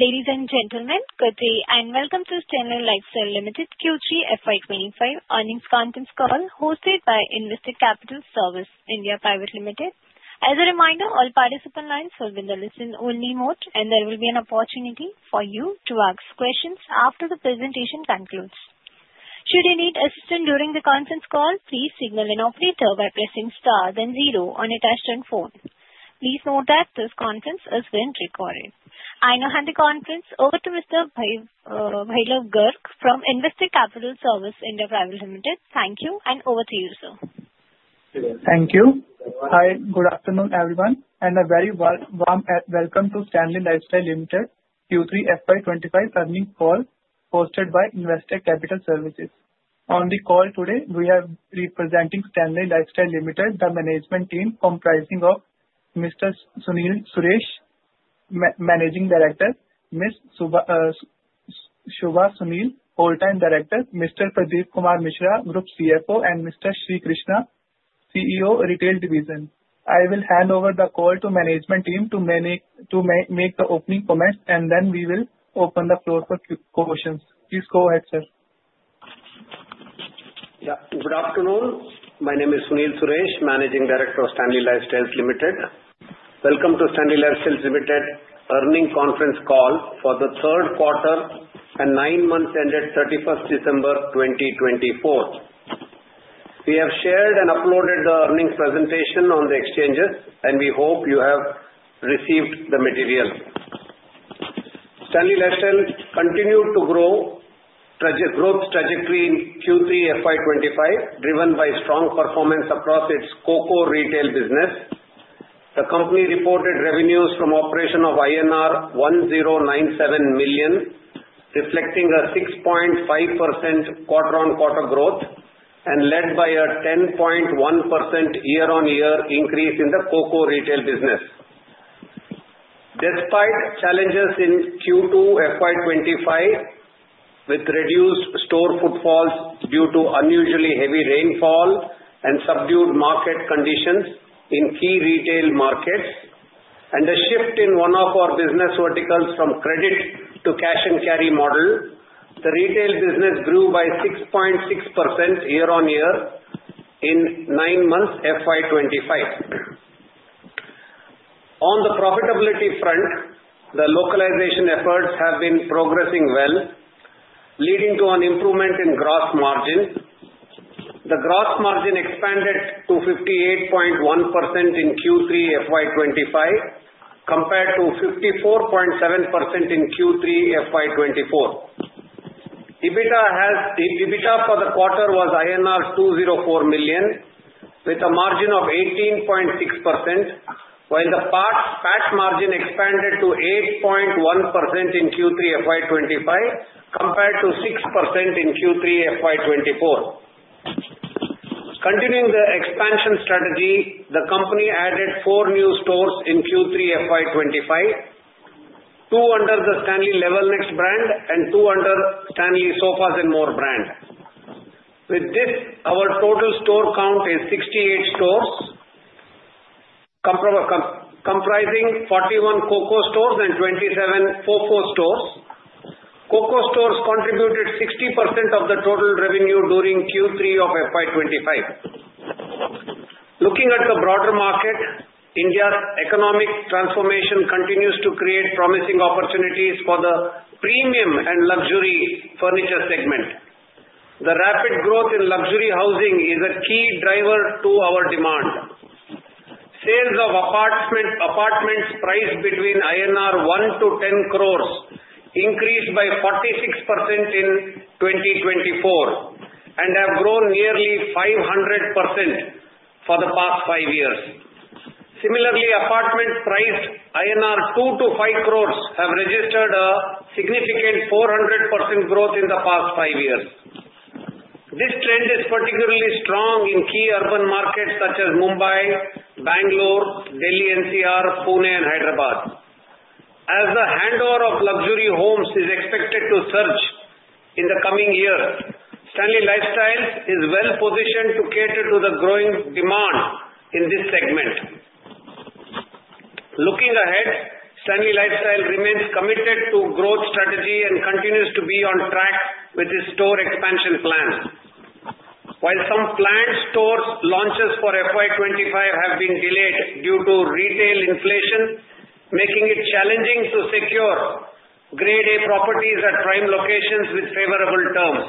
Ladies and gentlemen, good day and welcome to Stanley Lifestyles Limited Q3 FY25 earnings conference call hosted by Investec Capital Services (India) Private Limited. As a reminder, all participant lines will be in the listen-only mode, and there will be an opportunity for you to ask questions after the presentation concludes. Should you need assistance during the conference call, please signal an operator by pressing star then zero on your touch-tone phone. Please note that this conference is being recorded. I now hand the conference over to Mr. Bhairav Shah from Investec Capital Services India Private Limited. Thank you, and over to you, sir. Thank you. Hi, good afternoon everyone, and a very warm welcome to Stanley Lifestyles Limited Q3 FY25 earnings call hosted by Investec Capital Services. On the call today, we are representing Stanley Lifestyles Limited, the management team comprising of Mr. Sunil Suresh, Managing Director, Ms. Shubha Sunil, Whole-time Director, Mr. Pradeep Kumar Mishra, Group CFO, and Mr. Sri Krishna, CEO, Retail Division. I will hand over the call to the management team to make the opening comments, and then we will open the floor for questions. Please go ahead, sir. Good afternoon. My name is Sunil Suresh, Managing Director of Stanley Lifestyles Limited. Welcome to Stanley Lifestyles Limited earnings conference call for the third quarter and nine months ended 31st December 2024. We have shared and uploaded the earnings presentation on the exchanges, and we hope you have received the material. Stanley Lifestyles continued to grow its trajectory in Q3 FY25, driven by strong performance across its COCO retail business. The company reported revenues from operations of INR 1,097 million, reflecting a 6.5% quarter-on-quarter growth and led by a 10.1% year-on-year increase in the COCO retail business. Despite challenges in Q2 FY25, with reduced store footfalls due to unusually heavy rainfall and subdued market conditions in key retail markets, and a shift in one of our business verticals from credit to cash-and-carry model, the retail business grew by 6.6% year-on-year in nine months FY25. On the profitability front, the localization efforts have been progressing well, leading to an improvement in gross margin. The gross margin expanded to 58.1% in Q3 FY25, compared to 54.7% in Q3 FY24. EBITDA for the quarter was INR 204 million, with a margin of 18.6%, while the PAT margin expanded to 8.1% in Q3 FY25, compared to 6% in Q3 FY24. Continuing the expansion strategy, the company added four new stores in Q3 FY25, two under the Stanley Level Next brand and two under Stanley Sofas & More brand. With this, our total store count is 68 stores, comprising 41 COCO stores and 27 FOFO stores. COCO stores contributed 60% of the total revenue during Q3 of FY25. Looking at the broader market, India's economic transformation continues to create promising opportunities for the premium and luxury furniture segment. The rapid growth in luxury housing is a key driver to our demand. Sales of apartments priced between INR 1-10 crores increased by 46% in 2024 and have grown nearly 500% for the past five years. Similarly, apartments priced INR 2-5 crores have registered a significant 400% growth in the past five years. This trend is particularly strong in key urban markets such as Mumbai, Bangalore, Delhi NCR, Pune, and Hyderabad. As the handover of luxury homes is expected to surge in the coming year, Stanley Lifestyles is well-positioned to cater to the growing demand in this segment. Looking ahead, Stanley Lifestyles remains committed to growth strategy and continues to be on track with its store expansion plan. While some planned store launches for FY25 have been delayed due to retail inflation, making it challenging to secure Grade A properties at prime locations with favorable terms.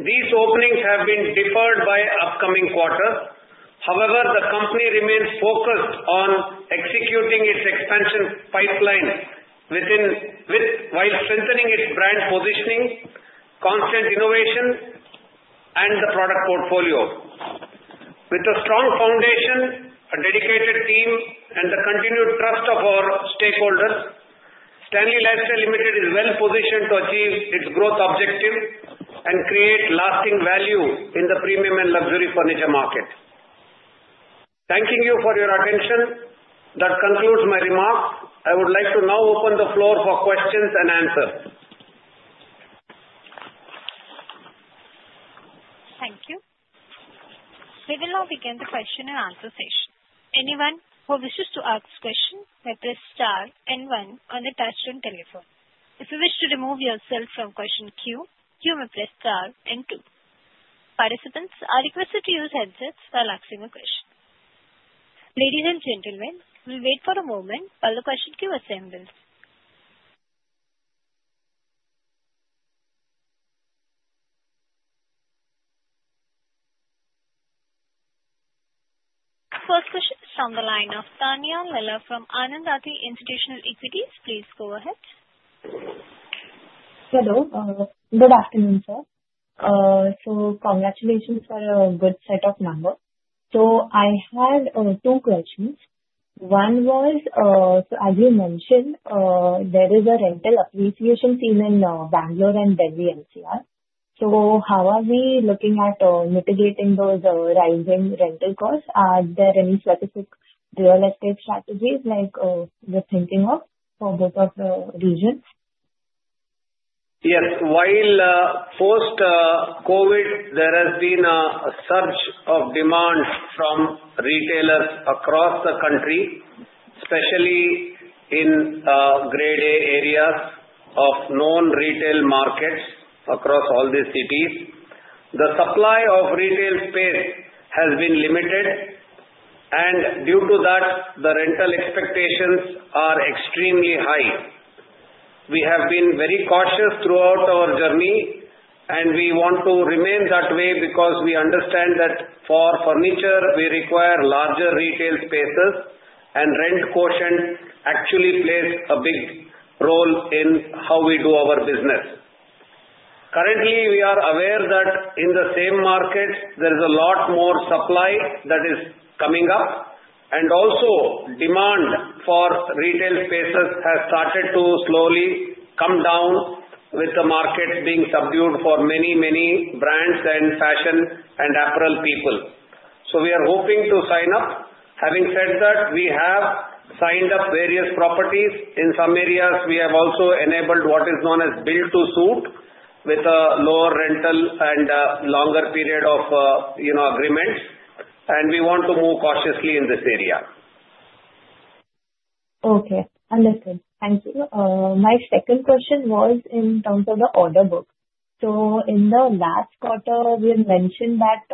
These openings have been deferred by upcoming quarters. However, the company remains focused on executing its expansion pipeline while strengthening its brand positioning, constant innovation, and the product portfolio. With a strong foundation, a dedicated team, and the continued trust of our stakeholders, Stanley Lifestyles Limited is well-positioned to achieve its growth objective and create lasting value in the premium and luxury furniture market. Thanking you for your attention, that concludes my remarks. I would like to now open the floor for questions and answers. Thank you. We will now begin the question-and-answer session. Anyone who wishes to ask a question may press star and one on the touch-tone telephone. If you wish to remove yourself from question queue, you may press star and two. Participants are requested to use headsets while asking a question. Ladies and gentlemen, we'll wait for a moment while the question queue assembles. First question is from the line of Tanvi Shetty from Anand Rathi Institutional Equities. Please go ahead. Hello. Good afternoon, sir. So congratulations for a good set of numbers. So I had two questions. One was, as you mentioned, there is a rental appreciation theme in Bangalore and Delhi NCR. So how are we looking at mitigating those rising rental costs? Are there any specific real estate strategies like you're thinking of for both of the regions? Yes. While post-COVID, there has been a surge of demand from retailers across the country, especially in Grade A areas of known retail markets across all these cities. The supply of retail space has been limited, and due to that, the rental expectations are extremely high. We have been very cautious throughout our journey, and we want to remain that way because we understand that for furniture, we require larger retail spaces, and rent quotient actually plays a big role in how we do our business. Currently, we are aware that in the same market, there is a lot more supply that is coming up, and also demand for retail spaces has started to slowly come down with the market being subdued for many, many brands and fashion and apparel people. So we are hoping to sign up. Having said that, we have signed up various properties. In some areas, we have also enabled what is known as build-to-suit with a lower rental and a longer period of agreement, and we want to move cautiously in this area. Okay. Understood. Thank you. My second question was in terms of the order book. So in the last quarter, we had mentioned that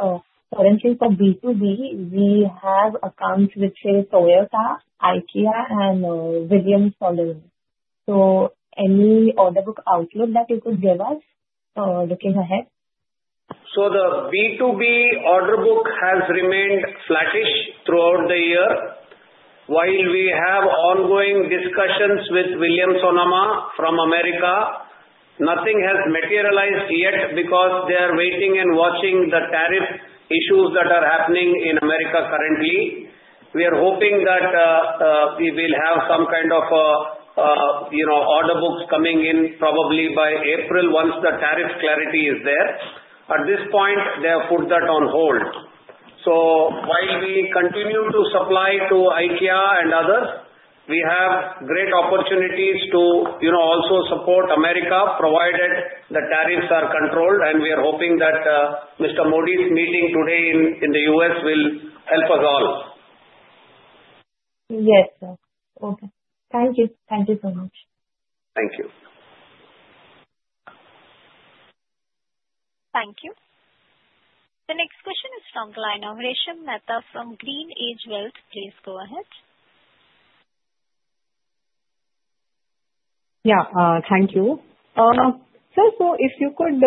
currently for B2B, we have accounts with, say, Toyota, IKEA, and Williams-Sonoma. So any order book outlook that you could give us looking ahead? So the B2B order book has remained flattish throughout the year. While we have ongoing discussions with Williams-Sonoma from America, nothing has materialized yet because they are waiting and watching the tariff issues that are happening in America currently. We are hoping that we will have some kind of order books coming in probably by April once the tariff clarity is there. At this point, they have put that on hold. So while we continue to supply to IKEA and others, we have great opportunities to also support America provided the tariffs are controlled, and we are hoping that Mr. Modi's meeting today in the U.S. will help us all. Yes, sir. Okay. Thank you. Thank you so much. Thank you. Thank you. The next question is from Jenish Mehta from GreenEdge Wealth Services. Please go ahead. Yeah. Thank you. Sir, so if you could,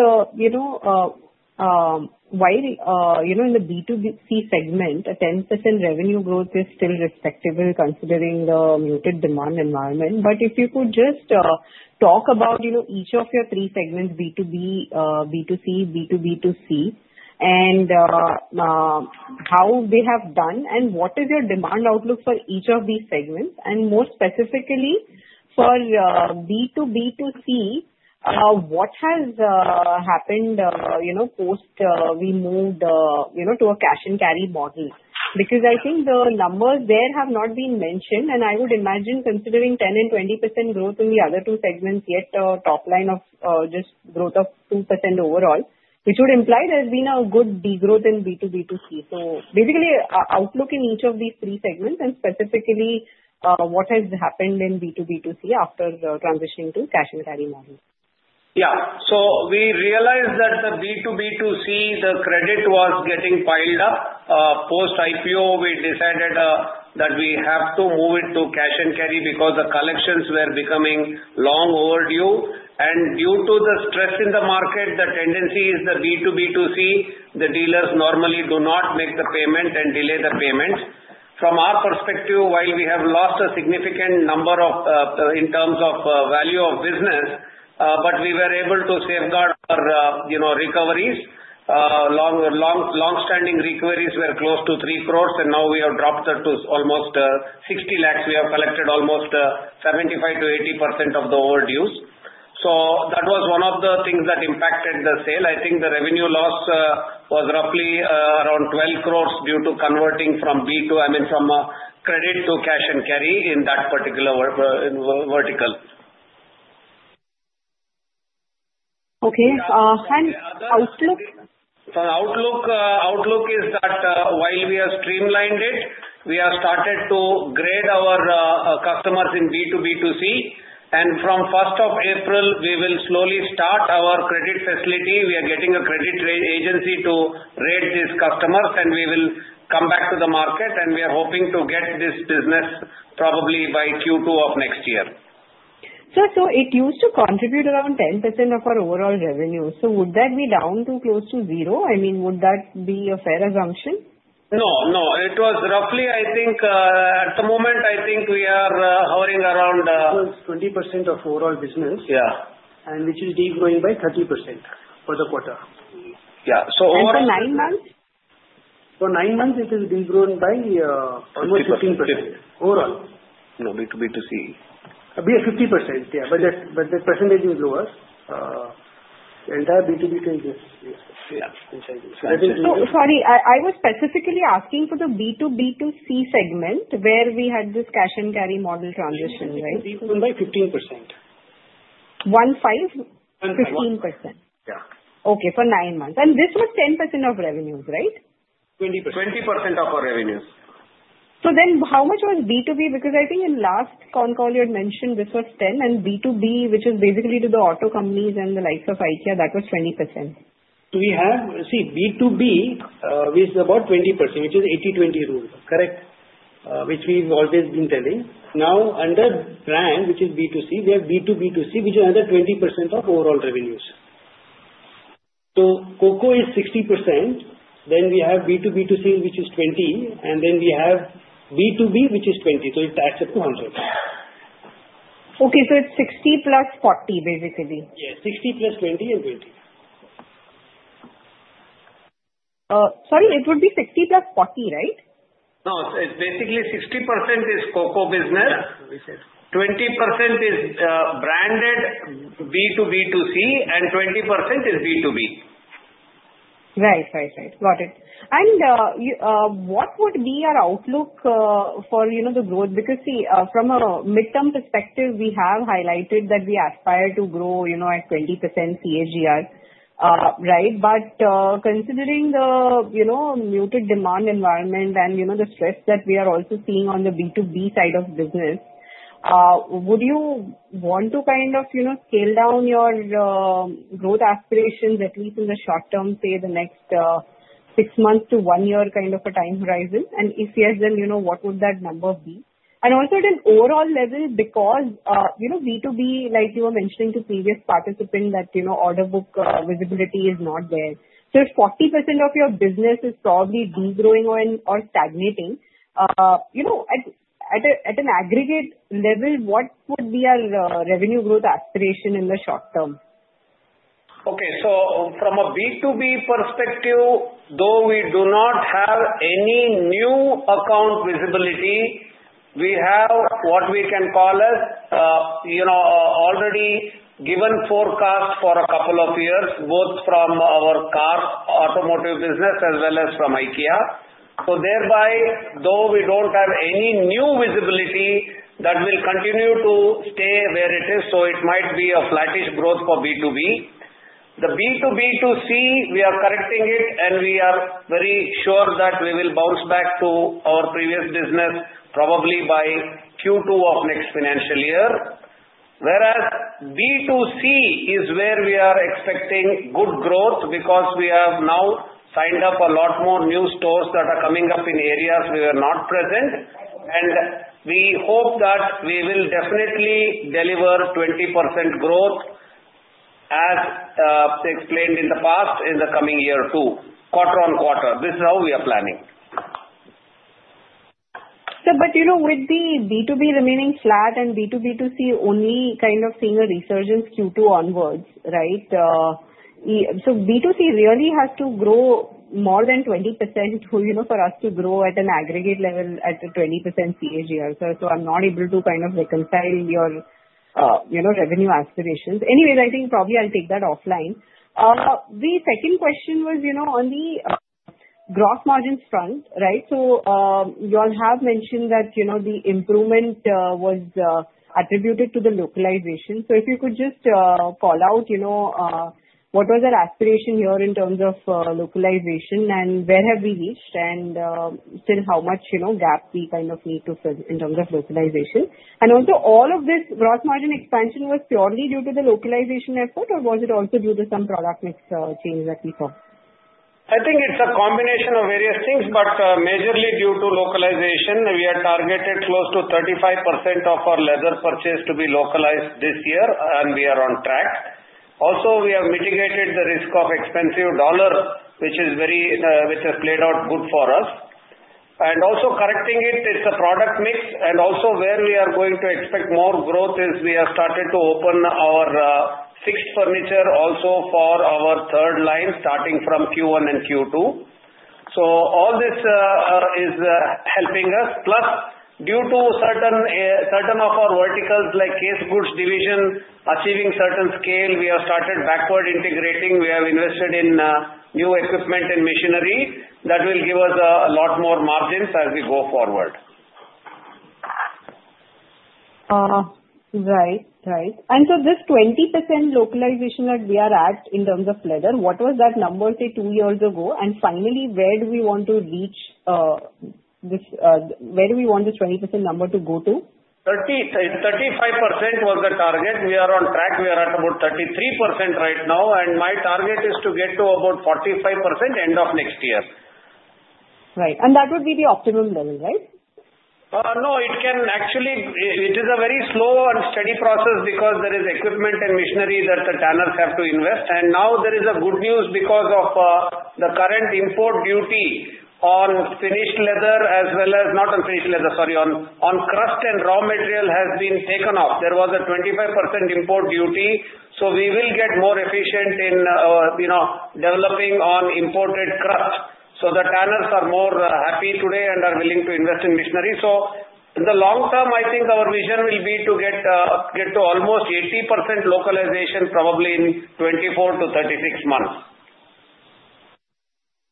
while in the B2C segment, a 10% revenue growth is still respectable considering the muted demand environment. But if you could just talk about each of your three segments, B2B, B2C, B2B2C, and how they have done, and what is your demand outlook for each of these segments? And more specifically, for B2B2C, what has happened post we moved to a cash-and-carry model? Because I think the numbers there have not been mentioned, and I would imagine considering 10% and 20% growth in the other two segments yet top line of just growth of 2% overall, which would imply there has been a good degrowth in B2B2C. So basically, outlook in each of these three segments, and specifically, what has happened in B2B2C after transitioning to cash-and-carry model? Yeah. So we realized that the B2B2C, the credit was getting piled up. Post IPO, we decided that we have to move it to cash-and-carry because the collections were becoming long overdue. And due to the stress in the market, the tendency is the B2B2C, the dealers normally do not make the payment and delay the payment. From our perspective, while we have lost a significant number in terms of value of business, but we were able to safeguard our recoveries. Long-standing recoveries were close to 3 crores, and now we have dropped that to almost 60 lakhs. We have collected almost 75%-80% of the overdues. So that was one of the things that impacted the sale. I think the revenue loss was roughly around 12 crores due to converting from B2, I mean, from credit to cash-and-carry in that particular vertical. Okay, and outlook? Outlook is that while we have streamlined it, we have started to grade our customers in B2B2C, and from 1st of April, we will slowly start our credit facility. We are getting a credit agency to rate these customers, and we will come back to the market, and we are hoping to get this business probably by Q2 of next year. Sir, so it used to contribute around 10% of our overall revenue. So would that be down to close to zero? I mean, would that be a fair assumption? No. No. It was roughly, I think at the moment, I think we are hovering around 20% of overall business, and which is degrowing by 30% for the quarter. In the nine months? For nine months, it is degrowing by almost 15% overall. No, B2B2C. 50%, yeah. But the percentage is lower. The entire B2B2C is decreasing. Sorry. I was specifically asking for the B2B2C segment where we had this cash-and-carry model transition, right? It's degrowing by 15%. 15%? 15%. Yeah. Okay. For nine months. And this was 10% of revenues, right? 20%. 20% of our revenues. So then how much was B2B? Because I think in last con call, you had mentioned this was 10%, and B2B, which is basically to the auto companies and the likes of IKEA, that was 20%. See, B2B is about 20%, which is 80/20 rule, correct? Which we've always been telling. Now, under brand, which is B2C, we have B2B2C, which is another 20% of overall revenues. So COCO is 60%, then we have B2B2C, which is 20%, and then we have B2B, which is 20%. So it adds up to 100%. Okay, so it's 60 plus 40, basically? Yes. 60 plus 20 and 20. Sorry. It would be 60 plus 40, right? No. It's basically 60% is COCO business, 20% is branded B2B2C, and 20% is B2B. Right. Right. Right. Got it. And what would be our outlook for the growth? Because see, from a midterm perspective, we have highlighted that we aspire to grow at 20% CAGR, right? But considering the muted demand environment and the stress that we are also seeing on the B2B side of business, would you want to kind of scale down your growth aspirations at least in the short term, say, the next six months to one year kind of a time horizon? And if yes, then what would that number be? And also at an overall level, because B2B, like you were mentioning to previous participants, that order book visibility is not there. So if 40% of your business is probably degrowing or stagnating, at an aggregate level, what would be our revenue growth aspiration in the short term? Okay. From a B2B perspective, though we do not have any new account visibility, we have what we can call as already given forecast for a couple of years, both from our car automotive business as well as from IKEA. So thereby, though we don't have any new visibility, that will continue to stay where it is. So it might be a flattish growth for B2B. The B2B2C, we are correcting it, and we are very sure that we will bounce back to our previous business probably by Q2 of next financial year. Whereas B2C is where we are expecting good growth because we have now signed up a lot more new stores that are coming up in areas we were not present. We hope that we will definitely deliver 20% growth, as explained in the past, in the coming year too, quarter-on-quarter. This is how we are planning. But with the B2B remaining flat and B2B2C only kind of seeing a resurgence Q2 onwards, right? So B2C really has to grow more than 20% for us to grow at an aggregate level at a 20% CAGR. So I'm not able to kind of reconcile your revenue aspirations. Anyways, I think probably I'll take that offline. The second question was on the gross margin front, right? So you all have mentioned that the improvement was attributed to the localization. So if you could just call out what was our aspiration here in terms of localization, and where have we reached, and still how much gap we kind of need to fill in terms of localization? And also, all of this gross margin expansion was purely due to the localization effort, or was it also due to some product mix change that we saw? I think it's a combination of various things, but majorly due to localization. We are targeted close to 35% of our leather purchase to be localized this year, and we are on track. Also, we have mitigated the risk of expensive dollar, which has played out good for us. And also correcting it, it's a product mix. And also, where we are going to expect more growth is we have started to open our fixed furniture also for our third line, starting from Q1 and Q2. So all this is helping us. Plus, due to certain of our verticals, like case goods division, achieving certain scale, we have started backward integrating. We have invested in new equipment and machinery that will give us a lot more margins as we go forward. Right. Right. And so this 20% localization that we are at in terms of leather, what was that number, say, two years ago? And finally, where do we want to reach this? Where do we want this 20% number to go to? 35% was the target. We are on track. We are at about 33% right now, and my target is to get to about 45% end of next year. Right. And that would be the optimum level, right? No. It can actually be a very slow and steady process because there is equipment and machinery that the tanners have to invest. And now there is good news because of the current import duty on finished leather as well as not on finished leather, sorry, on crust and raw material has been taken off. There was a 25% import duty. So we will get more efficient in developing on imported crust. So the tanners are more happy today and are willing to invest in machinery. So in the long term, I think our vision will be to get to almost 80% localization probably in 24-36 months.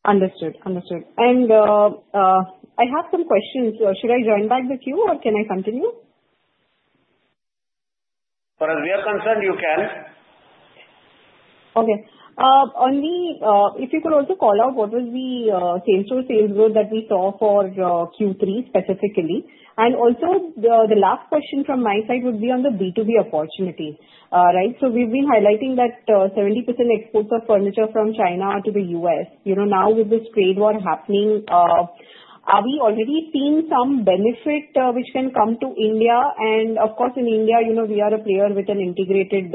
Understood. Understood. And I have some questions. Should I join back with you, or can I continue? far as we are concerned, you can. Okay. If you could also call out what was the same-store sales growth that we saw for Q3 specifically, and also, the last question from my side would be on the B2B opportunity, right, so we've been highlighting that 70% exports of furniture from China to the U.S. Now, with this trade war happening, are we already seeing some benefit which can come to India, and of course, in India, we are a player with an integrated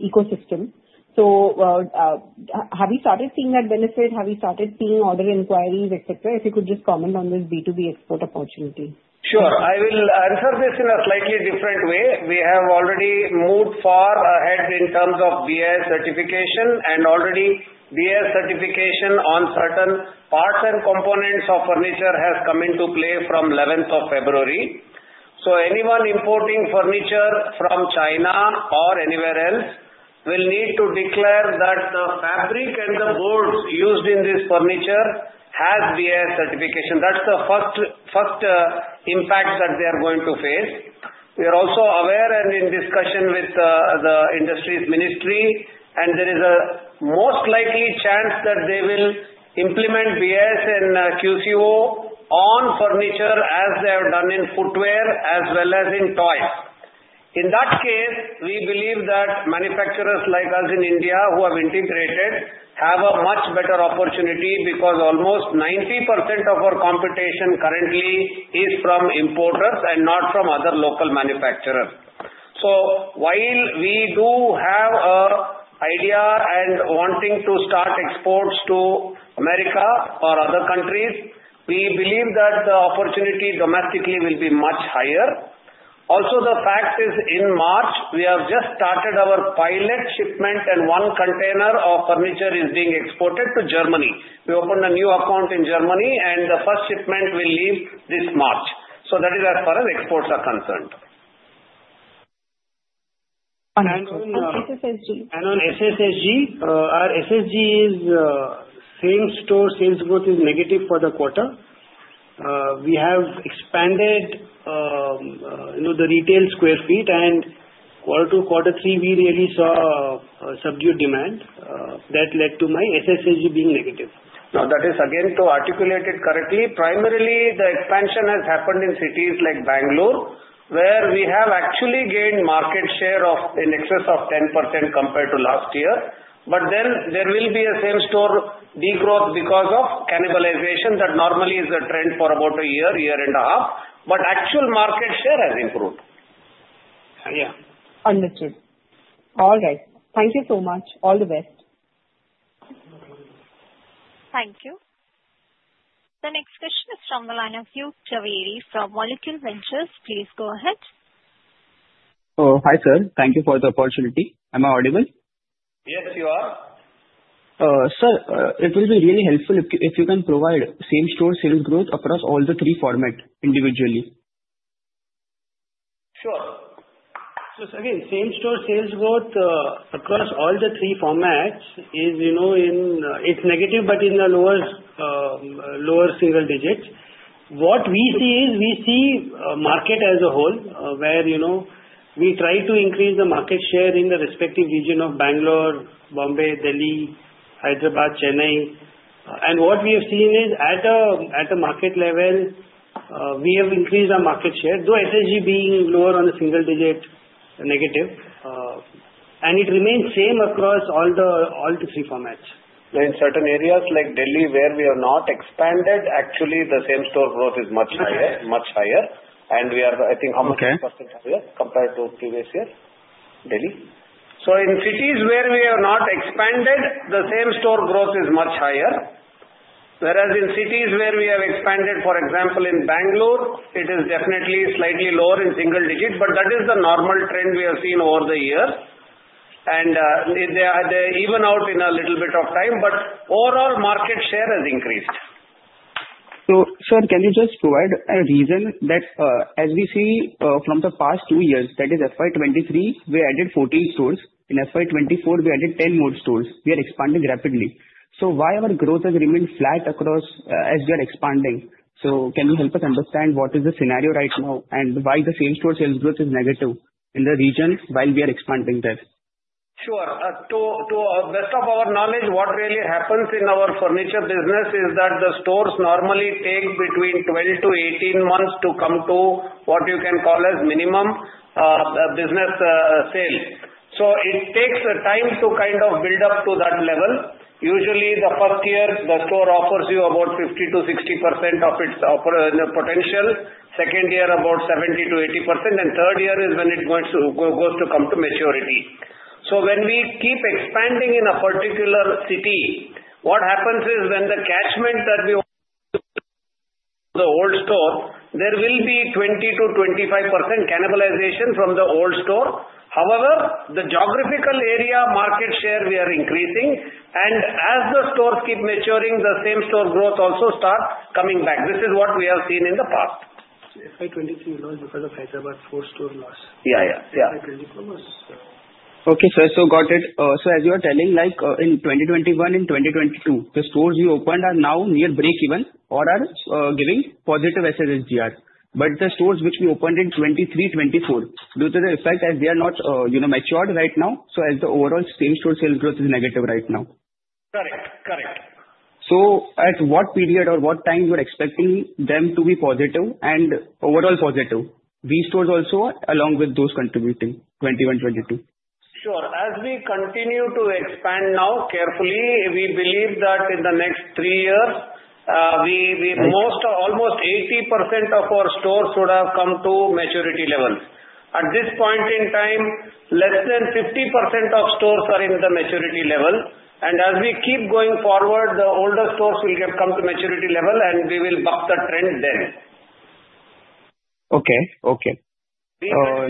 ecosystem, so have we started seeing that benefit? Have we started seeing other inquiries, etc.? If you could just comment on this B2B export opportunity. Sure. I will answer this in a slightly different way. We have already moved far ahead in terms of BIS certification, and already BIS certification on certain parts and components of furniture has come into play from 11th of February. So anyone importing furniture from China or anywhere else will need to declare that the fabric and the boards used in this furniture has BIS certification. That's the first impact that they are going to face. We are also aware and in discussion with the Industries Ministry, and there is a most likely chance that they will implement BIS and QCO on furniture as they have done in footwear as well as in toys. In that case, we believe that manufacturers like us in India who have integrated have a much better opportunity because almost 90% of our competition currently is from importers and not from other local manufacturers. So while we do have an idea and wanting to start exports to America or other countries, we believe that the opportunity domestically will be much higher. Also, the fact is, in March, we have just started our pilot shipment, and one container of furniture is being exported to Germany. We opened a new account in Germany, and the first shipment will leave this March. So that is as far as exports are concerned. On SSSG? And on SSSG, our SSG is same-store sales growth is negative for the quarter. We have expanded the retail sq ft, and quarter two, quarter three, we really saw subdued demand. That led to my SSSG being negative. Now, that is again to articulate it correctly. Primarily, the expansion has happened in cities like Bangalore, where we have actually gained market share in excess of 10% compared to last year. But then there will be a same-store degrowth because of cannibalization that normally is a trend for about a year, year and a half. But actual market share has improved. Understood. All right. Thank you so much. All the best. Thank you. The next question is from the line of Yug Javeri, from Molecule Ventures. Please go ahead. Hi, sir. Thank you for the opportunity. Am I audible? Yes, you are. Sir, it will be really helpful if you can provide same-store sales growth across all the three formats individually. Sure. So again, same-store sales growth across all the three formats is negative, but in the lower single digits. What we see is we see the market as a whole, where we try to increase the market share in the respective region of Bangalore, Bombay, Delhi, Hyderabad, Chennai. And what we have seen is at a market level, we have increased our market share, though SSG being lower on the single digit negative. And it remains the same across all the three formats. In certain areas like Delhi, where we have not expanded, actually the same-store growth is much higher, much higher and we are, I think, almost 10% higher compared to previous year, Delhi. So in cities where we have not expanded, the same-store growth is much higher. Whereas in cities where we have expanded, for example, in Bangalore, it is definitely slightly lower in single digit, but that is the normal trend we have seen over the years. And they are even out in a little bit of time, but overall market share has increased. So, sir, can you just provide a reason that as we see from the past two years, that is FY23, we added 14 stores. In FY24, we added 10 more stores. We are expanding rapidly. So why our growth has remained flat across as we are expanding? So can you help us understand what is the scenario right now and why the same-store sales growth is negative in the region while we are expanding there? Sure. To the best of our knowledge, what really happens in our furniture business is that the stores normally take between 12-18 months to come to what you can call as minimum business sales. So it takes time to kind of build up to that level. Usually, the first year, the store offers you about 50%-60% of its potential. Second year, about 70%-80%. And third year is when it goes to come to maturity. So when we keep expanding in a particular city, what happens is when the catchment of the old store, there will be 20%-25% cannibalization from the old store. However, the geographical area market share we are increasing. And as the stores keep maturing, the same-store growth also starts coming back. This is what we have seen in the past. FY23 loss because of Hyderabad four-store loss. Yeah, yeah. FY24 was. Okay. So I got it. So as you are telling, in 2021 and 2022, the stores we opened are now near breakeven or are giving positive SSSG. But the stores which we opened in 2023, 2024, due to the effect as they are not matured right now, so as the overall same-store sales growth is negative right now. Correct. Correct. So at what period or what time you are expecting them to be positive and overall positive? B stores also, along with those contributing 21, 22? Sure. As we continue to expand now carefully, we believe that in the next three years, almost 80% of our stores should have come to maturity level. At this point in time, less than 50% of stores are in the maturity level, and as we keep going forward, the older stores will have come to maturity level, and we will buck the trend then. Okay. Okay.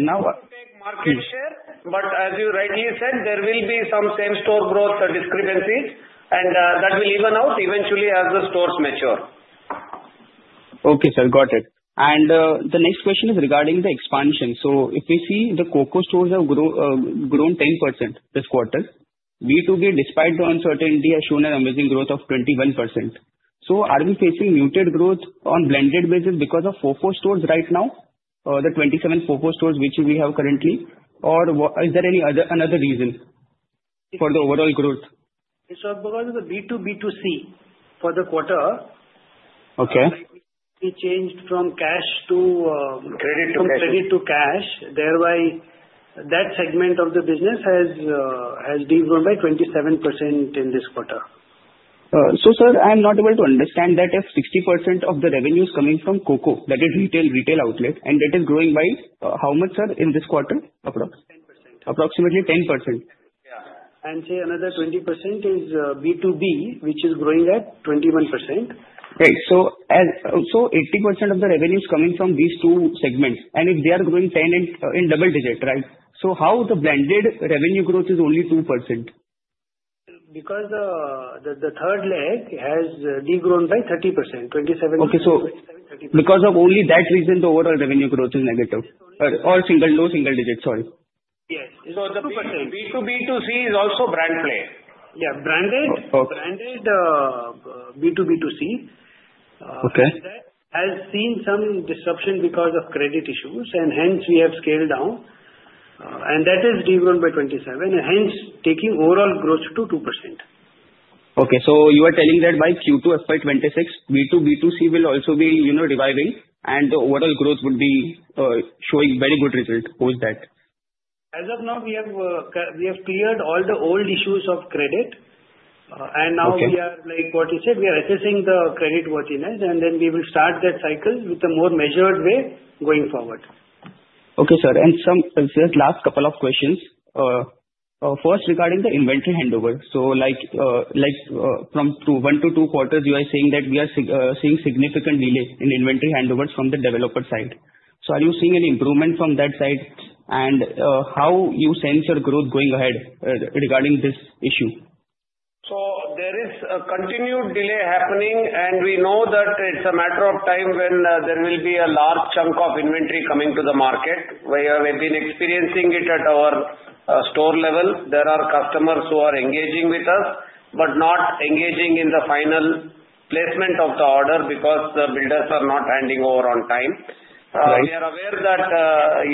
Now. We will take market share, but as you rightly said, there will be some same-store growth discrepancies, and that will even out eventually as the stores mature. Okay, sir. Got it. And the next question is regarding the expansion. So if we see the COCO stores have grown 10% this quarter, B2B, despite the uncertainty, has shown an amazing growth of 21%. So are we facing muted growth on blended basis because of COCO stores right now, the 27 COCO stores which we have currently, or is there any other reason for the overall growth? It's because of the B2B2C for the quarter. Okay. We changed from cash to. Credit to cash. Credit to cash. Thereby, that segment of the business has degrown by 27% in this quarter. So, sir, I'm not able to understand that if 60% of the revenue is coming from COCO, that is retail outlet, and that is growing by how much, sir, in this quarter? 10%. Approximately 10%. Yeah, and say another 20% is B2B, which is growing at 21%. Right. So 80% of the revenue is coming from these two segments, and if they are growing 10% in double digits, right? So how the blended revenue growth is only 2%? Because the third leg has degrown by 30%. 27%. Okay. So because of only that reason, the overall revenue growth is negative or single digit, sorry. Yes. So the B2B2C is also brand play. Yeah. Branded. Branded B2B2C has seen some disruption because of credit issues, and hence we have scaled down, and that is degrown by 27%, hence taking overall growth to 2%. Okay. So you are telling that by Q2, FY26, B2B2C will also be reviving, and the overall growth would be showing very good result. Who is that? As of now, we have cleared all the old issues of credit, and now we are, like what you said, we are assessing the creditworthiness, and then we will start that cycle with a more measured way going forward. Okay, sir, and just last couple of questions. First, regarding the inventory handover, so from one to two quarters, you are saying that we are seeing significant delay in inventory handovers from the developer side. So are you seeing any improvement from that side, and how you sense your growth going ahead regarding this issue? There is a continued delay happening, and we know that it's a matter of time when there will be a large chunk of inventory coming to the market. We have been experiencing it at our store level. There are customers who are engaging with us, but not engaging in the final placement of the order because the builders are not handing over on time. We are aware that there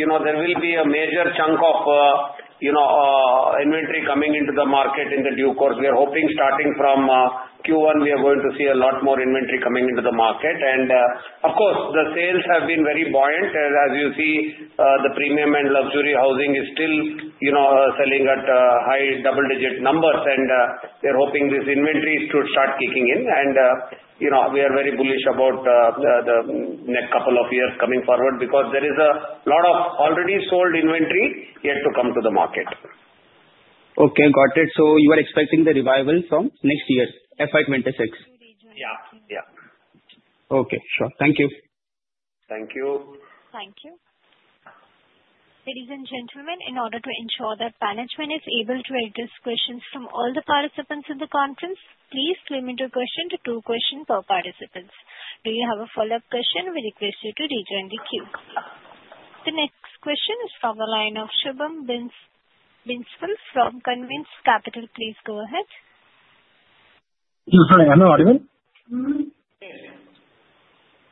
will be a major chunk of inventory coming into the market in due course. We are hoping starting from Q1, we are going to see a lot more inventory coming into the market. And of course, the sales have been very buoyant. As you see, the premium and luxury housing is still selling at high double-digit numbers, and we are hoping this inventory is to start kicking in. We are very bullish about the next couple of years coming forward because there is a lot of already sold inventory yet to come to the market. Okay. Got it. So you are expecting the revival from next year, FY26? Yeah. Yeah. Okay. Sure. Thank you. Thank you. Thank you. Ladies and gentlemen, in order to ensure that management is able to address questions from all the participants in the conference, please limit your question to two questions per participant. Do you have a follow-up question? We request you to rejoin the queue. The next question is from the line of Shubham Biswal from Systematix. Please go ahead. Sorry, I'm not audible.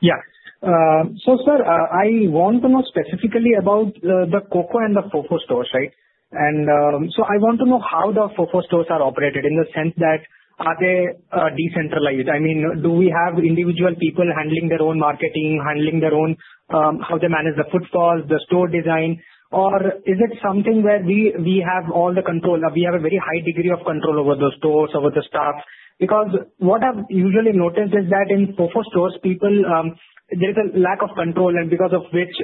Yeah. So, sir, I want to know specifically about the COCO and the FOFO stores, right? And so I want to know how the FOFO stores are operated in the sense that are they decentralized? I mean, do we have individual people handling their own marketing, handling their own how they manage the footfall, the store design, or is it something where we have all the control? We have a very high degree of control over the stores, over the staff. Because what I've usually noticed is that in FOFO stores, there is a lack of control, and because of which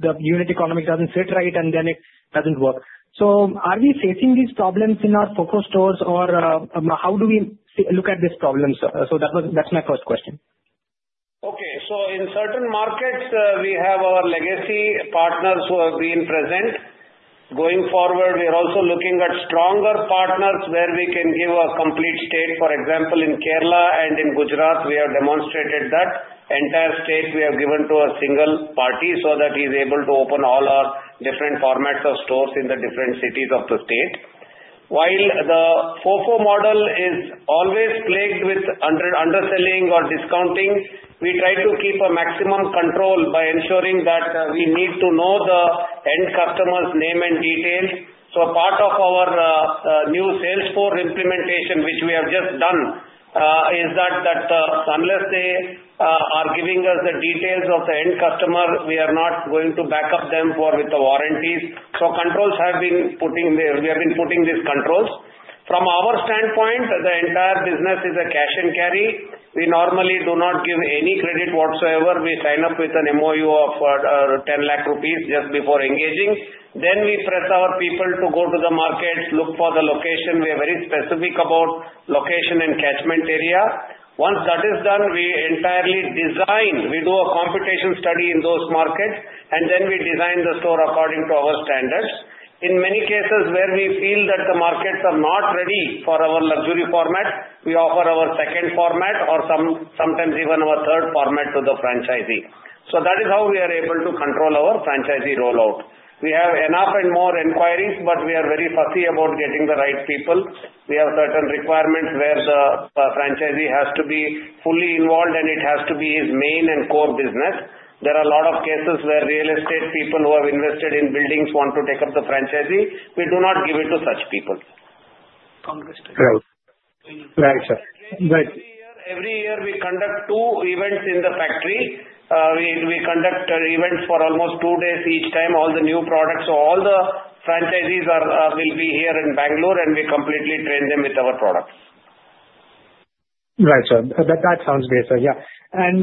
the unit economics doesn't sit right, and then it doesn't work. So are we facing these problems in our FOFO stores, or how do we look at these problems? So that's my first question. Okay. So in certain markets, we have our legacy partners who have been present. Going forward, we are also looking at stronger partners where we can give a complete state. For example, in Kerala and in Gujarat, we have demonstrated that entire state we have given to a single party so that he is able to open all our different formats of stores in the different cities of the state. While the FOFO model is always plagued with underselling or discounting, we try to keep a maximum control by ensuring that we need to know the end customer's name and details. So part of our new Salesforce implementation, which we have just done, is that unless they are giving us the details of the end customer, we are not going to back up them with the warranties. So controls have been put in there. We have been putting these controls. From our standpoint, the entire business is a cash and carry. We normally do not give any credit whatsoever. We sign up with an MOU of 10 lakh rupees just before engaging. Then we press our people to go to the markets, look for the location. We are very specific about location and catchment area. Once that is done, we entirely design. We do a competition study in those markets, and then we design the store according to our standards. In many cases where we feel that the markets are not ready for our luxury format, we offer our second format or sometimes even our third format to the franchisee. So that is how we are able to control our franchisee rollout. We have enough and more inquiries, but we are very fussy about getting the right people. We have certain requirements where the franchisee has to be fully involved, and it has to be his main and core business. There are a lot of cases where real estate people who have invested in buildings want to take up the franchise. We do not give it to such people. Congress. Every year, we conduct two events in the factory. We conduct events for almost two days each time, all the new products. So all the franchisees will be here in Bangalore, and we completely train them with our products. Right, sir. That sounds great, sir. Yeah.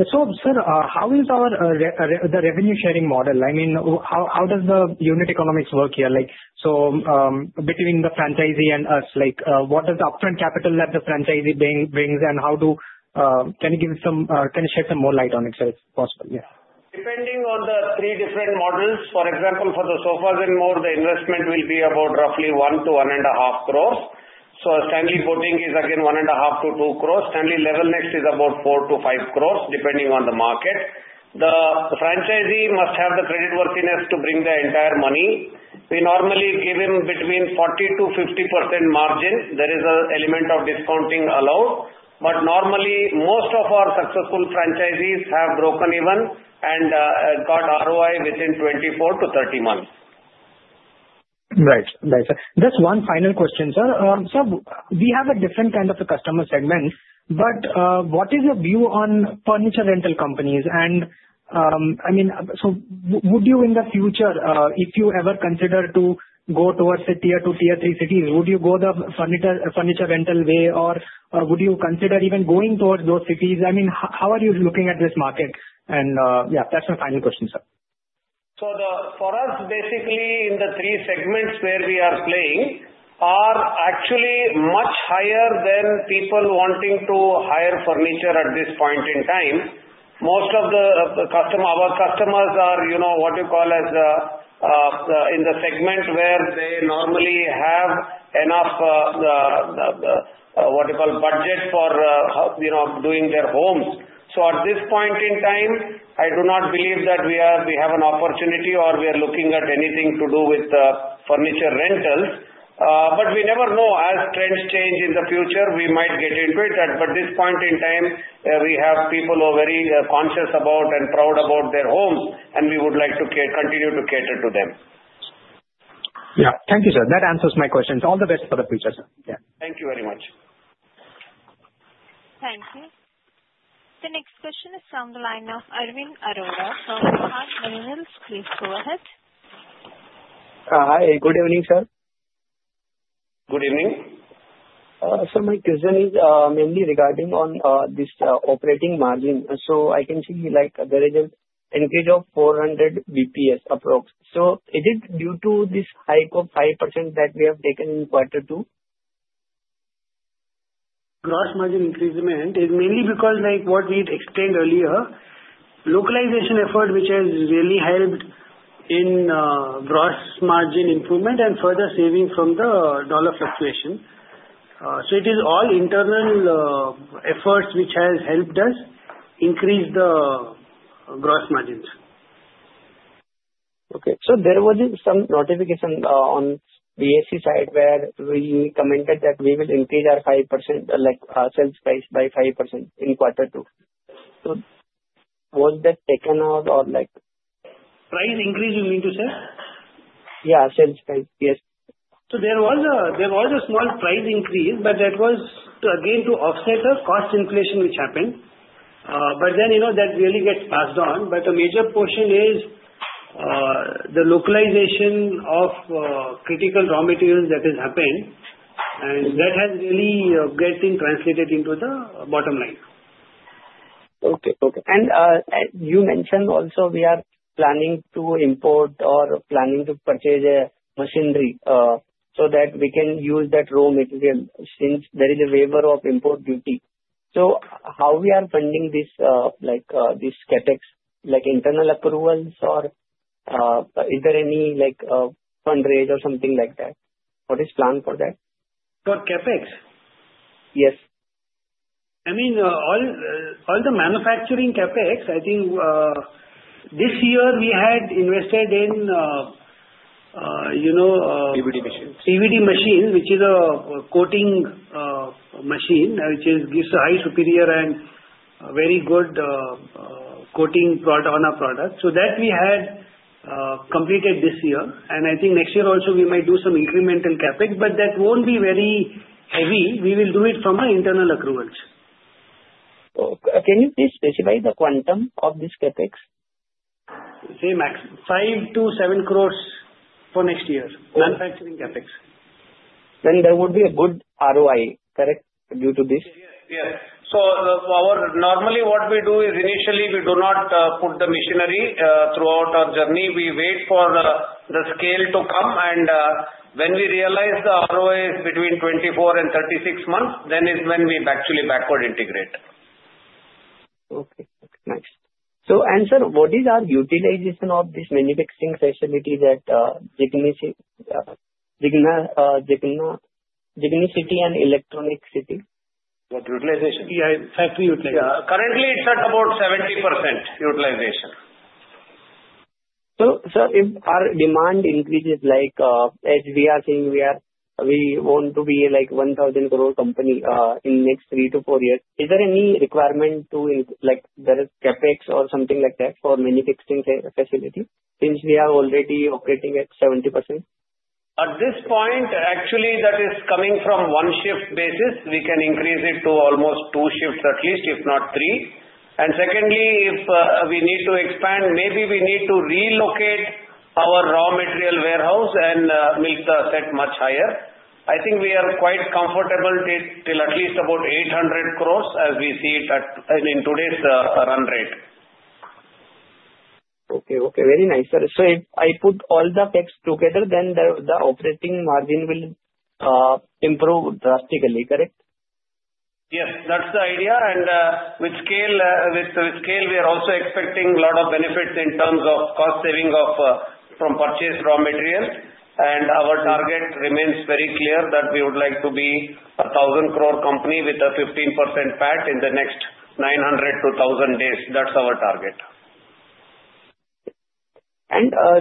So, sir, how is the revenue-sharing model? I mean, how does the unit economics work here? Between the franchisee and us, what does the upfront capital that the franchisee brings, and how can you shed some more light on it, sir, if possible? Depending on the three different models, for example, for the Sofas & More, the investment will be about roughly 1 crore to 1.5 crore. So Stanley Boutique is again 1.5 crore to 2 crore. Stanley Level Next is about 4 crore to 5 crore, depending on the market. The franchisee must have the creditworthiness to bring the entire money. We normally give him between 40%-50% margin. There is an element of discounting allowed. But normally, most of our successful franchisees have broken even and got ROI within 24-30 months. Right. Right, sir. Just one final question, sir. Sir, we have a different kind of customer segment, but what is your view on furniture rental companies? And I mean, so would you in the future, if you ever consider to go towards a tier two, tier three cities, would you go the furniture rental way, or would you consider even going towards those cities? I mean, how are you looking at this market? And yeah, that's my final question, sir. So for us, basically, in the three segments where we are playing are actually much higher than people wanting to hire furniture at this point in time. Most of our customers are what you call as in the segment where they normally have enough, what you call, budget for doing their homes. So at this point in time, I do not believe that we have an opportunity or we are looking at anything to do with furniture rentals. But we never know. As trends change in the future, we might get into it. But at this point in time, we have people who are very conscious about and proud about their homes, and we would like to continue to cater to them. Yeah. Thank you, sir. That answers my question. All the best for the future, sir. Yeah. Thank you very much. Thank you. The next question is from the line of Arvind Arora. So Mr. Arvind Arora, please go ahead. Hi. Good evening, sir. Good evening. My question is mainly regarding this operating margin. I can see there is an increase of 400 basis points. Is it due to this hike of 5% that we have taken in quarter two? Gross Margin increase on my end is mainly because what we explained earlier, localization effort, which has really helped in Gross Margin improvement and further saving from the dollar fluctuation. So it is all internal efforts which have helped us increase the gross margin. Okay. So there was some notification on BIS side where we commented that we will increase our sales price by 5% in quarter two. So was that taken out or? Price increase, you mean to say? Yeah, sales price. Yes. So there was a small price increase, but that was again to offset the cost inflation which happened. But then that really gets passed on. But the major portion is the localization of critical raw materials that has happened, and that has really getting translated into the bottom line. Okay. Okay. And you mentioned also we are planning to import or planning to purchase machinery so that we can use that raw material since there is a waiver of import duty. So how we are funding this CapEx, internal approvals, or is there any fundraise or something like that? What is plannep for that? For CAPEX? Yes. I mean, all the manufacturing CapEx, I think this year we had invested in. PVD machines. PVD machines, which is a coating machine, which gives a high superior and very good coating on our product. So that we had completed this year, and I think next year also we might do some incremental CapEx, but that won't be very heavy. We will do it from our internal accruals. Can you please specify the quantum of this CapEx? Say maximum 5-7 crores for next year, manufacturing CapEx. Then there would be a good ROI, correct, due to this? Yes. So normally what we do is initially we do not put the machinery throughout our journey. We wait for the scale to come, and when we realize the ROI is between 24 and 36 months, then is when we actually backward integrate. Okay. Nice. So and sir, what is our utilization of this manufacturing facility at Jigani and Electronic City? What utilization? Yeah. Currently, it's at about 70% utilization. Sir, if our demand increases like as we are saying we want to be like 1,000 crore company in the next three to four years, is there any requirement to there is CapEx or something like that for manufacturing facility since we are already operating at 70%? At this point, actually, that is coming from one shift basis. We can increase it to almost two shifts at least, if not three, and secondly, if we need to expand, maybe we need to relocate our raw material warehouse and milk the asset much higher. I think we are quite comfortable till at least about 800 crores as we see it in today's run rate. Okay. Okay. Very nice, sir. So if I put all the facts together, then the operating margin will improve drastically, correct? Yes. That's the idea. And with scale, we are also expecting a lot of benefits in terms of cost saving from purchased raw material. And our target remains very clear that we would like to be a 1,000 crore company with a 15% PAT in the next 900-1,000 days. That's our target.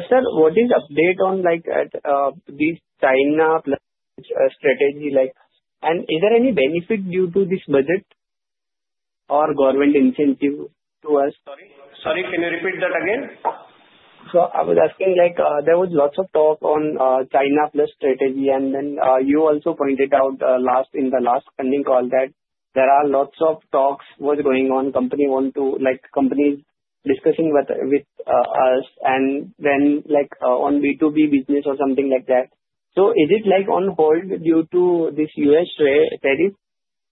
Sir, what is the update on this China Plus One strategy? Is there any benefit due to this budget or government incentive to us? Sorry. Sorry. Can you repeat that again? So I was asking, there was lots of talk on China plus One, and then you also pointed out in the last earnings call that there are lots of talks going on, companies wanting to, companies discussing with us, and then on B2B business or something like that. So is it on hold due to this US tariff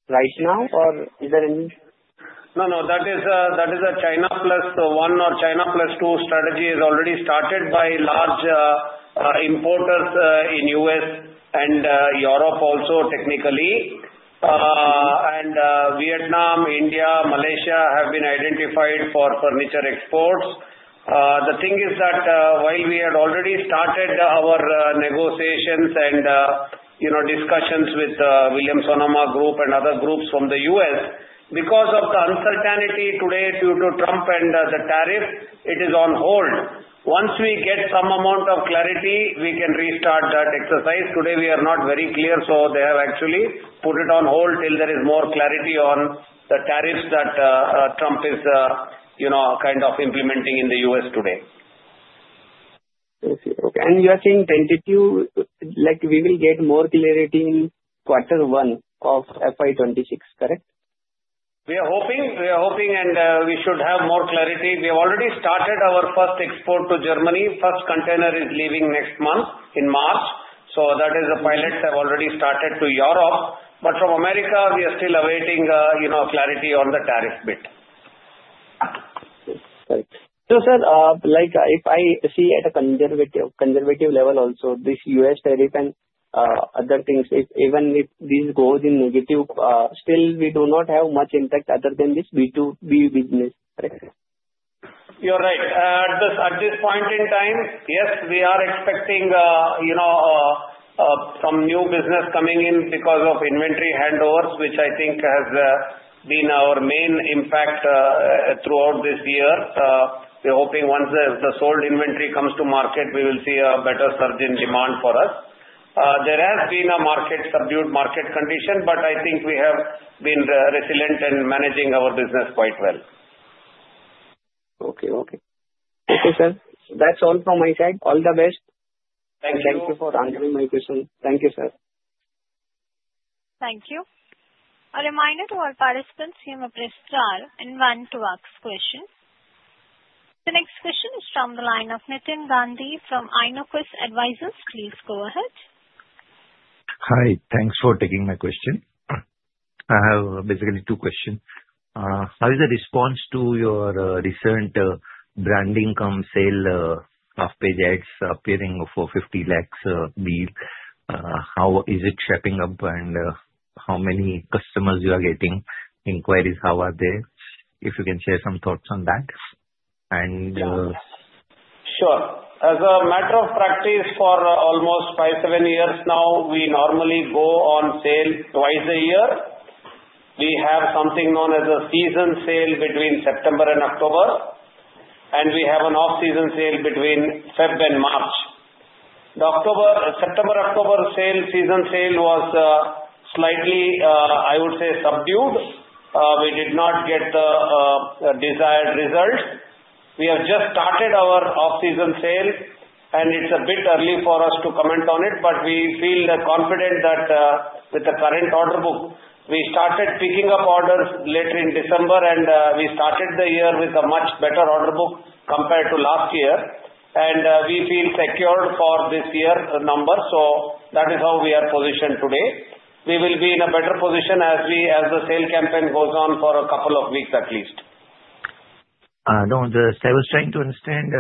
right now, or is there any? No, no. That is a China plus One or China Plus Two strategy is already started by large importers in U.S. and Europe also technically. And Vietnam, India, Malaysia have been identified for furniture exports. The thing is that while we had already started our negotiations and discussions with Williams-Sonoma Group and other groups from the U.S., because of the uncertainty today due to Trump and the tariffs, it is on hold. Once we get some amount of clarity, we can restart that exercise. Today, we are not very clear, so they have actually put it on hold till there is more clarity on the tariffs that Trump is kind of implementing in the U.S. today. Okay. And you are saying we will get more clarity in quarter one of FY26, correct? We are hoping. We are hoping, and we should have more clarity. We have already started our first export to Germany. First container is leaving next month in March. So that is the pilots have already started to Europe. But from America, we are still awaiting clarity on the tariff bit. So sir, if I see at a conservative level also this U.S. tariff and other things, even if this goes in negative, still we do not have much impact other than this B2B business, correct? You're right. At this point in time, yes, we are expecting some new business coming in because of inventory handovers, which I think has been our main impact throughout this year. We're hoping once the sold inventory comes to market, we will see a better surge in demand for us. There has been a subdued market condition, but I think we have been resilient and managing our business quite well. Okay, sir. That's all from my side. All the best. Thank you. Thank you for answering my question. Thank you, sir. Thank you. A reminder to all participants to keep it brief and one question at a time. The next question is from the line of Nitin Gandhi from Inoquest Advisors. Please go ahead. Hi. Thanks for taking my question. I have basically two questions. How is the response to your recent brand icon sale of paid ads appearing for 50 lakhs deal? How is it shaping up, and how many customers you are getting? Inquiries, how are they? If you can share some thoughts on that. And. Sure. As a matter of practice for almost five, seven years now, we normally go on sale twice a year. We have something known as a season sale between September and October, and we have an off-season sale between February and March. The September-October sale season sale was slightly, I would say, subdued. We did not get the desired results. We have just started our off-season sale, and it's a bit early for us to comment on it, but we feel confident that with the current order book, we started picking up orders later in December, and we started the year with a much better order book compared to last year. And we feel secured for this year's number. So that is how we are positioned today. We will be in a better position as the sale campaign goes on for a couple of weeks at least. No. I was trying to understand,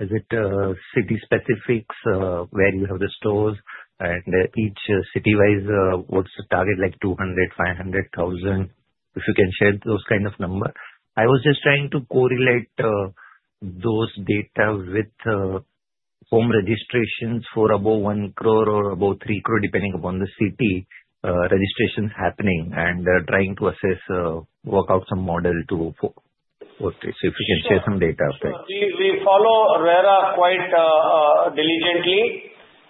is it city specifics where you have the stores and each city-wise what's the target, like 200, 500, 1,000? If you can share those kind of number. I was just trying to correlate those data with home registrations for above one crore or above three crore, depending upon the city registrations happening, and trying to work out some model too. So if you can share some data of that. We follow RERA quite diligently,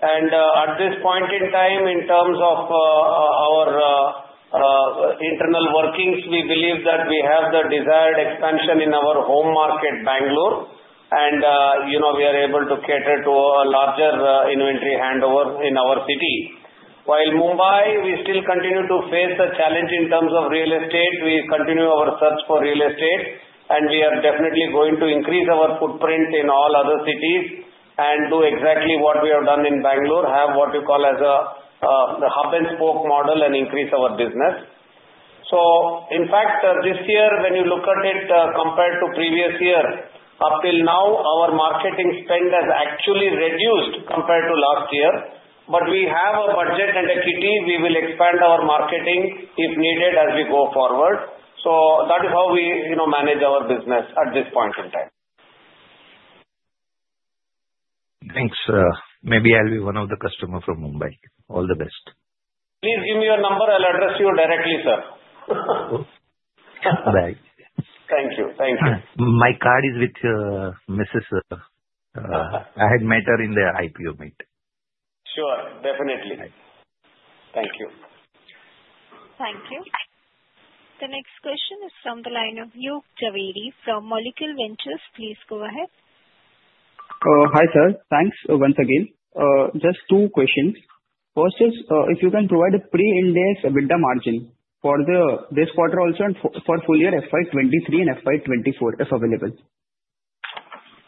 and at this point in time, in terms of our internal workings, we believe that we have the desired expansion in our home market, Bangalore, and we are able to cater to a larger inventory handover in our city. While Mumbai, we still continue to face the challenge in terms of real estate. We continue our search for real estate, and we are definitely going to increase our footprint in all other cities and do exactly what we have done in Bangalore, have what you call as the Hub and Spoke Model and increase our business, so in fact, this year, when you look at it compared to previous year, up till now, our marketing spend has actually reduced compared to last year, but we have a budget and a kitty. We will expand our marketing if needed as we go forward. So that is how we manage our business at this point in time. Thanks. Maybe I'll be one of the customers from Mumbai. All the best. Please give me your number. I'll address you directly, sir. Bye. Thank you. Thank you. My card is with Mrs. I had met her in the IPO meet. Sure. Definitely. Thank you. Thank you. The next question is from the line of Yug Javeri from Molecule Ventures. Please go ahead. Hi sir. Thanks once again. Just two questions. First is if you can provide a pre-Ind AS EBITDA margin for this quarter also and for full year FY23 and FY24 if available.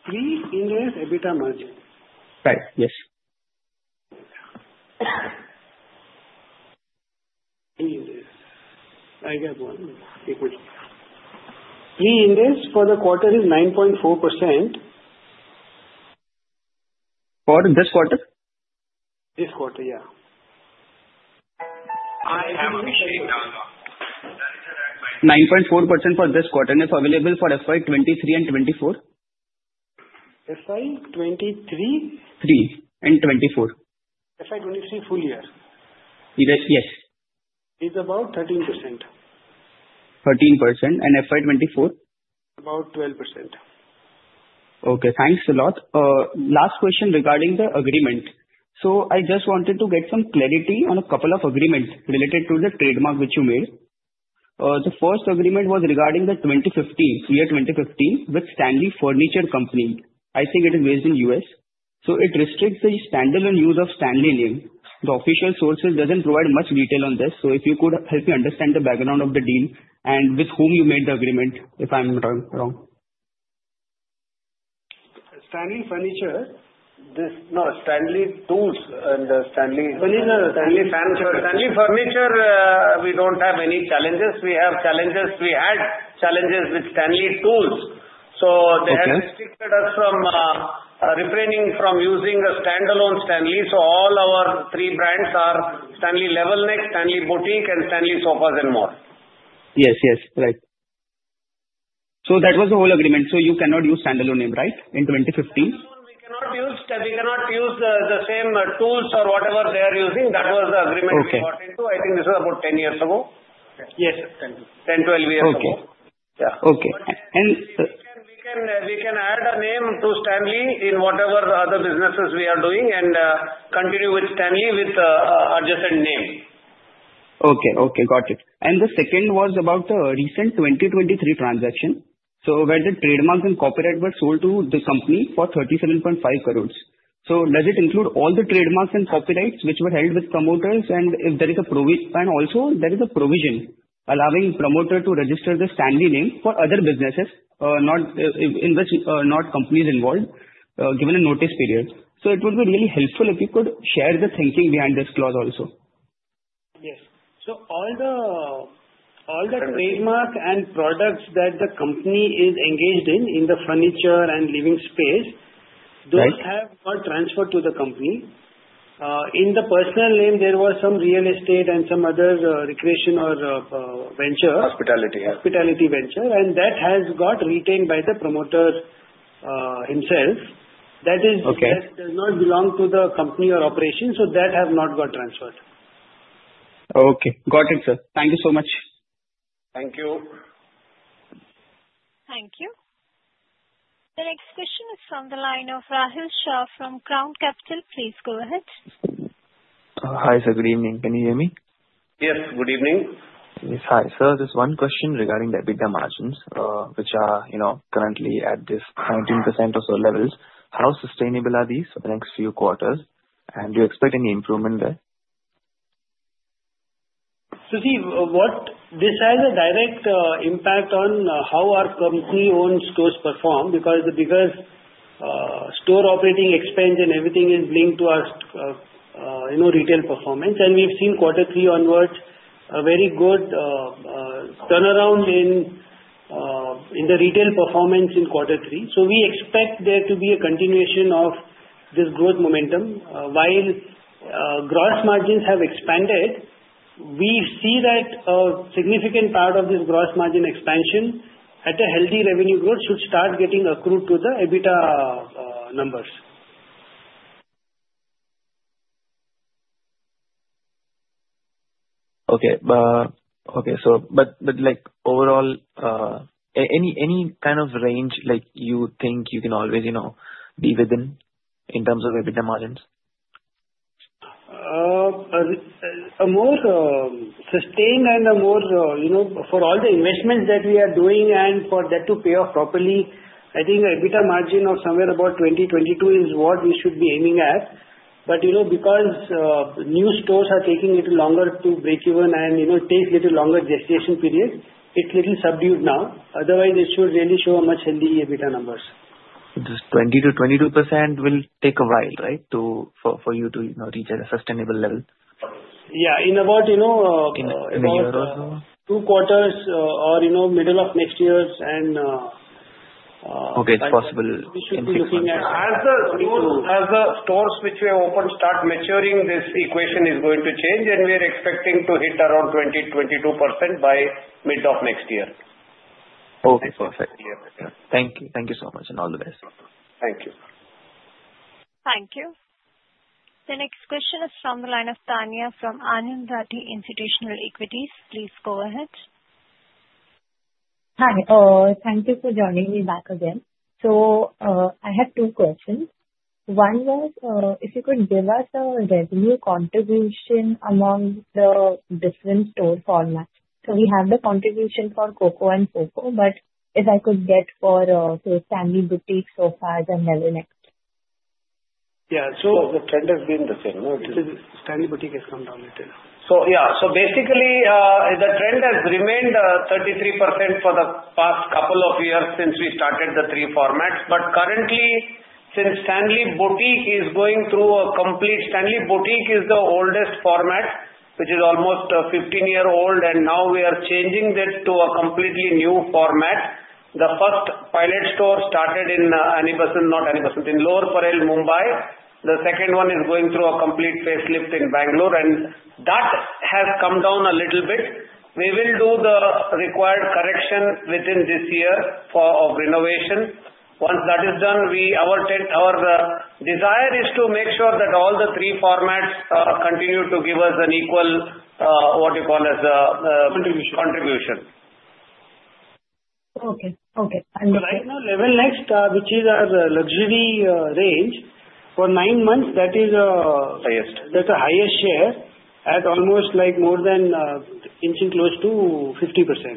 Pre-Ind AS EBITDA margin? Right. Yes. index. I got one. Equity. P/E index for the quarter is 9.4%. For this quarter? This quarter, yeah. 9.4% for this quarter and if available for FY2023 and 2024? FY23? 3 and 24. FY23 full year? Yes. Is about 13%. 13%. And FY24? About 12%. Okay. Thanks a lot. Last question regarding the agreement. So I just wanted to get some clarity on a couple of agreements related to the trademark which you made. The first agreement was regarding the year 2015 with Stanley Furniture Company. I think it is based in the U.S. So it restricts the standalone use of Stanley name. The official sources doesn't provide much detail on this. So if you could help me understand the background of the deal and with whom you made the agreement, if I'm wrong. Stanley Furniture? No. Stanley Tools and Stanley. Stanley Furniture. Stanley Furniture Company, we don't have any challenges. We have challenges. We had challenges with Stanley Tools. So they have restricted us from using a standalone Stanley. So all our three brands are Stanley Level Next, Stanley Boutique, and Stanley Sofas & More. Yes. Yes. Right. So that was the whole agreement. So you cannot use standalone name, right, in 2015? We cannot use the same tools or whatever they are using. That was the agreement we got into. I think this was about 10 years ago. Yes. 10, 12 years ago. Okay. We can add a name to Stanley in whatever other businesses we are doing and continue with Stanley with the adjusted name. Okay. Okay. Got it. And the second was about the recent 2023 transaction. So, where the trademarks and copyright were sold to the company for 37.5 crores. So does it include all the trademarks and copyrights which were held with promoters? And if there is, and also, there is a provision allowing promoter to register the Stanley name for other businesses, not companies involved, given a notice period. So it would be really helpful if you could share the thinking behind this clause also. Yes. So all the trademarks and products that the company is engaged in, in the furniture and living space, those have got transferred to the company. In the personal name, there was some real estate and some other recreation or venture. Hospitality. Hospitality venture. And that has got retained by the promoter himself. That does not belong to the company or operation. So that has not got transferred. Okay. Got it, sir. Thank you so much. Thank you. Thank you. The next question is from the line of Rahil Shah from Crown Capital. Please go ahead. Hi sir. Good evening. Can you hear me? Yes. Good evening. Yes. Hi sir. Just one question regarding the EBITDA margins, which are currently at this 19% or so levels. How sustainable are these for the next few quarters, and do you expect any improvement there? So see, this has a direct impact on how our company-owned stores perform because the bigger store operating expense and everything is linked to our retail performance. And we've seen quarter three onwards a very good turnaround in the retail performance in quarter three. So we expect there to be a continuation of this growth momentum. While gross margin have expanded, we see that a significant part of this gross margin expansion at a healthy revenue growth should start getting accrued to the EBITDA numbers. Okay. Okay. But overall, any kind of range you think you can always be within in terms of EBITDA margins? A more sustained and a more for all the investments that we are doing and for that to pay off properly, I think EBITDA margin of somewhere about 20%-22% is what we should be aiming at. But because new stores are taking a little longer to break even and take a little longer gestation period, it's a little subdued now. Otherwise, it should really show a much healthy EBITDA numbers. Just 20%-22% will take a while, right, for you to reach a sustainable level? Yeah. In about. In a year or so. Two quarters or middle of next year, and. Okay. It's possible. We should be looking at. As the stores which we have opened start maturing, this equation is going to change, and we are expecting to hit around 20%-22% by mid of next year. Okay. Perfect. Thank you. Thank you so much. And all the best. Thank you. Thank you. The next question is from the line of Tanya from Anand Rathi Institutional Equities. Please go ahead. Hi. Thank you for joining me back again. So I have two questions. One was if you could give us a revenue contribution among the different store formats. So we have the contribution for COCO and FOFO, but if I could get for Stanley Boutique, Sofas, and Level Next. Yeah, so the trend has been the same. Stanley Boutique has come down a little bit. So, yeah. So, basically, the trend has remained 33% for the past couple of years since we started the three formats. But currently, since Stanley Boutique is going through a complete. Stanley Boutique is the oldest format, which is almost 15 years old, and now we are changing that to a completely new format. The first pilot store started in Lower Parel, Mumbai. The second one is going through a complete facelift in Bangalore, and that has come down a little bit. We will do the required correction within this year of renovation. Once that is done, our desire is to make sure that all the three formats continue to give us an equal what you call as a. Contribution. Contribution. Okay. Okay. Right now, Level Next, which is our luxury range, for nine months, that is a. Highest. That's a highest share at almost like more than close to 50%.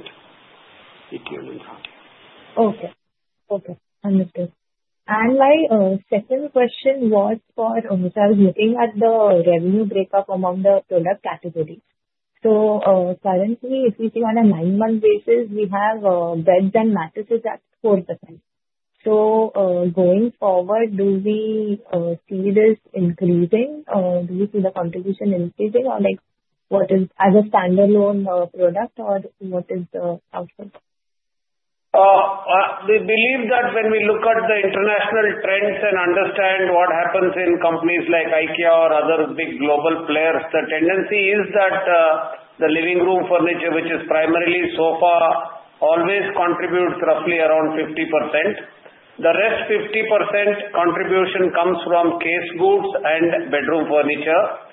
Okay. Okay. Understood. And my second question was for which I was looking at the revenue breakup among the product categories. So currently, if we see on a nine-month basis, we have beds and mattresses at 4%. So going forward, do we see this increasing? Do we see the contribution increasing? Or as a standalone product, or what is the outcome? We believe that when we look at the international trends and understand what happens in companies like IKEA or other big global players, the tendency is that the living room furniture, which is primarily sofa, always contributes roughly around 50%. The rest 50% contribution comes from case goods and bedroom furniture.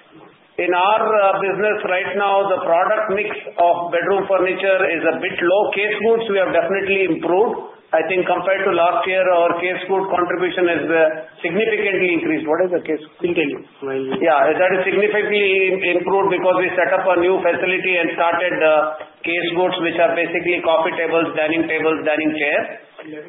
In our business right now, the product mix of bedroom furniture is a bit low. Case goods, we have definitely improved. I think compared to last year, our case goods contribution has significantly increased. What is the case goods? Can you tell me? Yeah. That is significantly improved because we set up a new facility and started case goods, which are basically coffee tables, dining tables, dining chairs.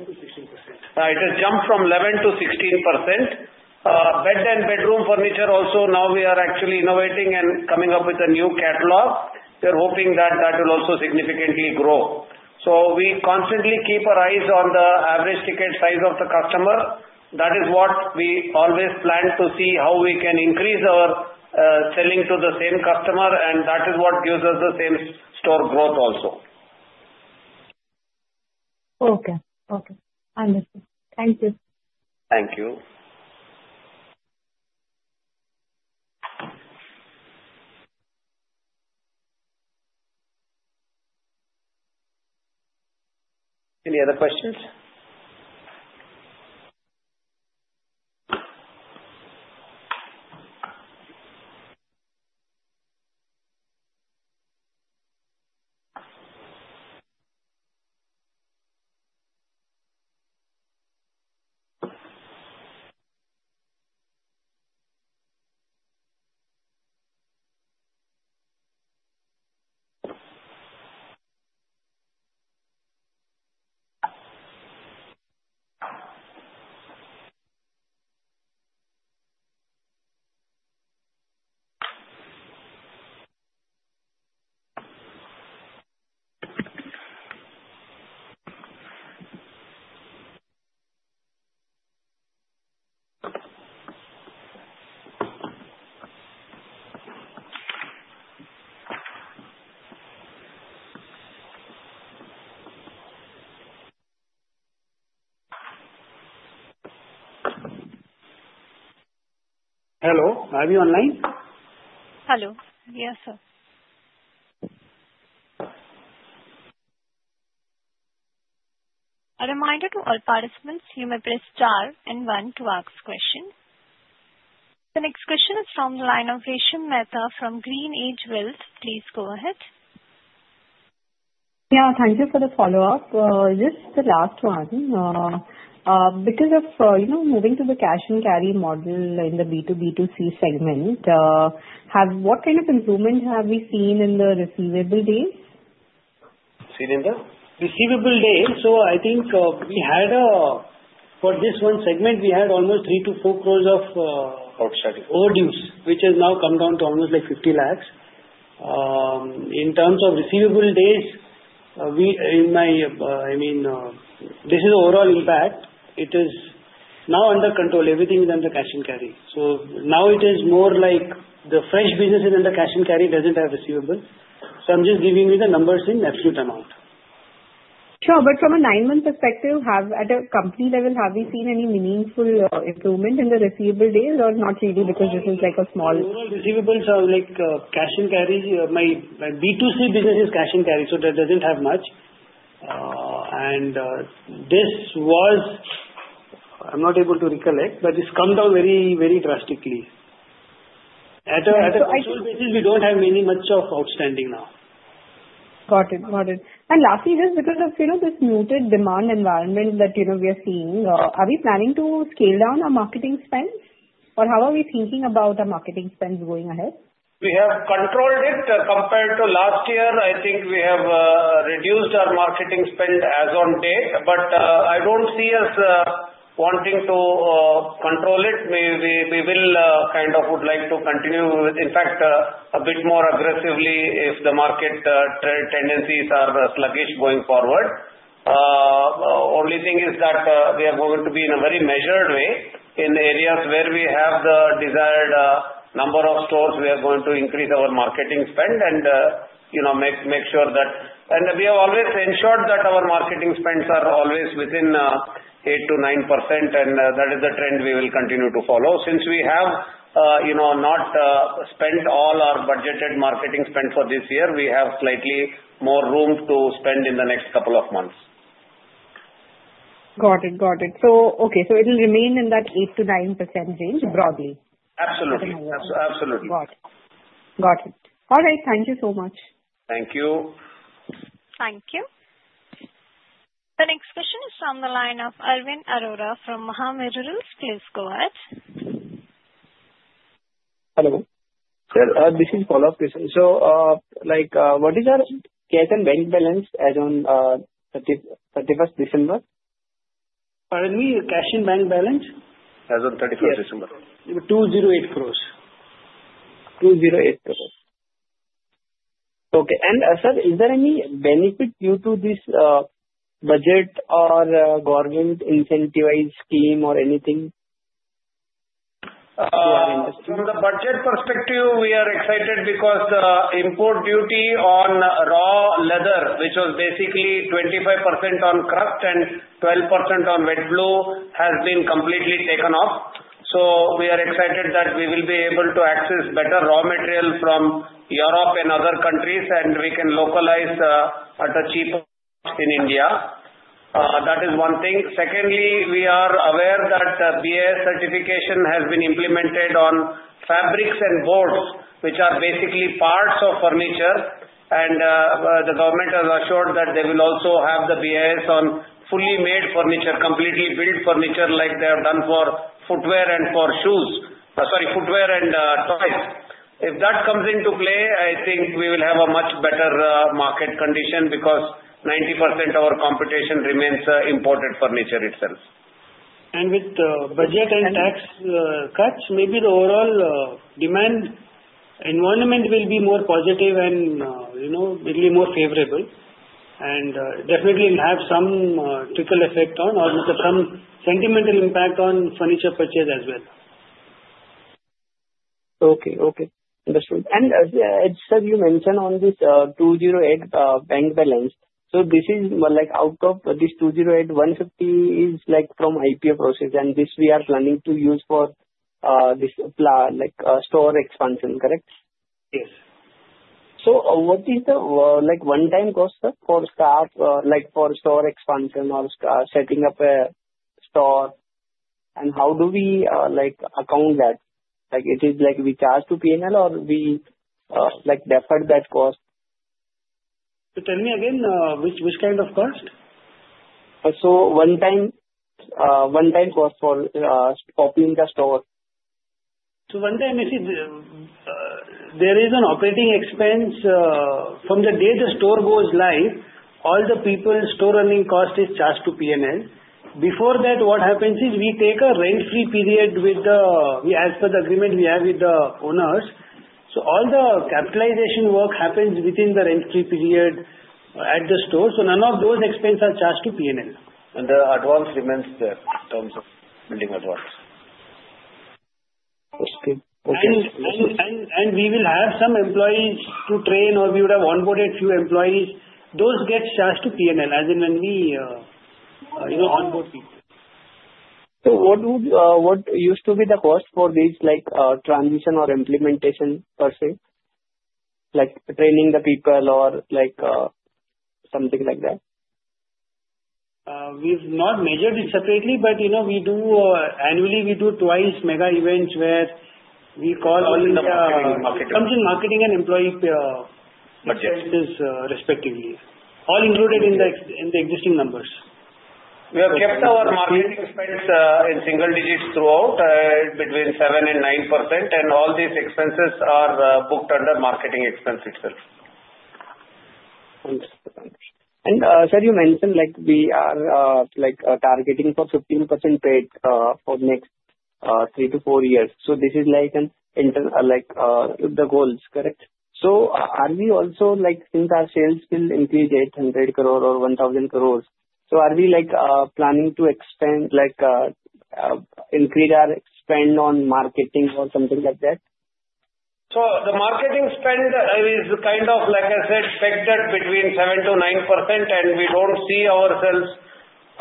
11%-16%. Right. It has jumped from 11%-16%. Bed and bedroom furniture also, now we are actually innovating and coming up with a new catalog. We are hoping that that will also significantly grow. So we constantly keep our eyes on the average ticket size of the customer. That is what we always plan to see how we can increase our selling to the same customer, and that is what gives us the same store growth also. Okay. Okay. Understood. Thank you. Thank you. Any other questions? Hello. Are we online? Hello. Yes, sir. A reminder to all participants, you may press star and one to ask questions. The next question is from the line of Ganesh Mehta from GreenEdge Wealth Services. Please go ahead. Yeah. Thank you for the follow-up. Yes, the last one. Because of moving to the cash and carry model in the B2B2C segment, what kind of improvement have we seen in the receivable days? Seen in the receivable days, so I think we had for this one segment, we had almost three to four crores of. Outstanding. Overdues, which has now come down to almost like 50 lakhs. In terms of receivable days, I mean, this is overall impact. It is now under control. Everything is under Cash-and-Carry. So now it is more like the fresh businesses under Cash-and-Carry doesn't have receivable. So I'm just giving you the numbers in absolute amount. Sure. But from a nine-month perspective, at a company level, have we seen any meaningful improvement in the receivable days or not really because this is like a small? Overall, receivables are like cash and carry. My B2C business is cash and carry, so that doesn't have much, and this was, I'm not able to recollect, but it's come down very, very drastically. At an actual basis, we don't have much of outstanding now. Got it. Got it. Lastly, just because of this muted demand environment that we are seeing, are we planning to scale down our marketing spend? Or how are we thinking about our marketing spend going ahead? We have controlled it compared to last year. I think we have reduced our marketing spend as of date, but I don't see us wanting to control it. We will kind of would like to continue, in fact, a bit more aggressively if the market tendencies are sluggish going forward. Only thing is that we are going to be in a very measured way in areas where we have the desired number of stores. We are going to increase our marketing spend and make sure that, and we have always ensured that our marketing spends are always within 8%-9%, and that is the trend we will continue to follow. Since we have not spent all our budgeted marketing spend for this year, we have slightly more room to spend in the next couple of months. Got it. Got it. So okay. So it will remain in that 8%-9% range broadly. Absolutely. Absolutely. Got it. Got it. All right. Thank you so much. Thank you. Thank you. The next question is from the line of Arvind Arora from Molecule Ventures. Please go ahead. Hello. This is Arora speaking. So what is our cash and bank balance as of 31st December? Pardon me? Your cash and bank balance? As of 31st December. 208 crores. 208 crores. Okay. And sir, is there any benefit due to this budget or government incentivized scheme or anything to our industry? From the budget perspective, we are excited because the import duty on raw leather, which was basically 25% on crust and 12% on wet blue, has been completely taken off. So we are excited that we will be able to access better raw material from Europe and other countries, and we can localize at a cheaper cost in India. That is one thing. Secondly, we are aware that the BIS certification has been implemented on fabrics and boards, which are basically parts of furniture, and the government has assured that they will also have the BIS on fully made furniture, completely built furniture like they have done for footwear and for shoes sorry, footwear and toys. If that comes into play, I think we will have a much better market condition because 90% of our competition remains imported furniture itself. And with the budget and tax cuts, maybe the overall demand environment will be more positive and will be more favorable. And definitely, it will have some trickle effect on or some sentimental impact on furniture purchase as well. Okay. Okay. Understood. And sir, you mentioned on this 208 bank balance. So this is out of this 208, 150 is from IPO process, and this we are planning to use for this store expansion, correct? Yes. So what is the one-time cost for store expansion or setting up a store? And how do we account that? It is like we charge to P&L or we defer that cost? So tell me again, which kind of cost? One-time cost for opening the store. So, one-time is there is an operating expense. From the day the store goes live, all the people's store running cost is charged to P&L. Before that, what happens is we take a rent-free period as per the agreement we have with the owners. So all the capitalization work happens within the rent-free period at the store. So none of those expenses are charged to P&L. The advance remains there in terms of building advance. Okay. And we will have some employees to train, or we would have onboarded a few employees. Those get charged to P&L as and when we onboard people. So what used to be the cost for these transition or implementation per se, like training the people or something like that? We've not measured it separately, but annually, we do twice mega events where we call the marketing and employee expenses respectively. All included in the existing numbers. We have kept our marketing expense in single digits throughout, between 7% and 9%, and all these expenses are booked under marketing expense itself. Understood. And sir, you mentioned we are targeting for 15% PAT for next three to four years. So this is like the goals, correct? So are we also, since our sales will increase 800 crore or 1,000 crores, so are we planning to increase our spend on marketing or something like that? The marketing spend is kind of, like I said, factored between 7%-9%, and we don't see ourselves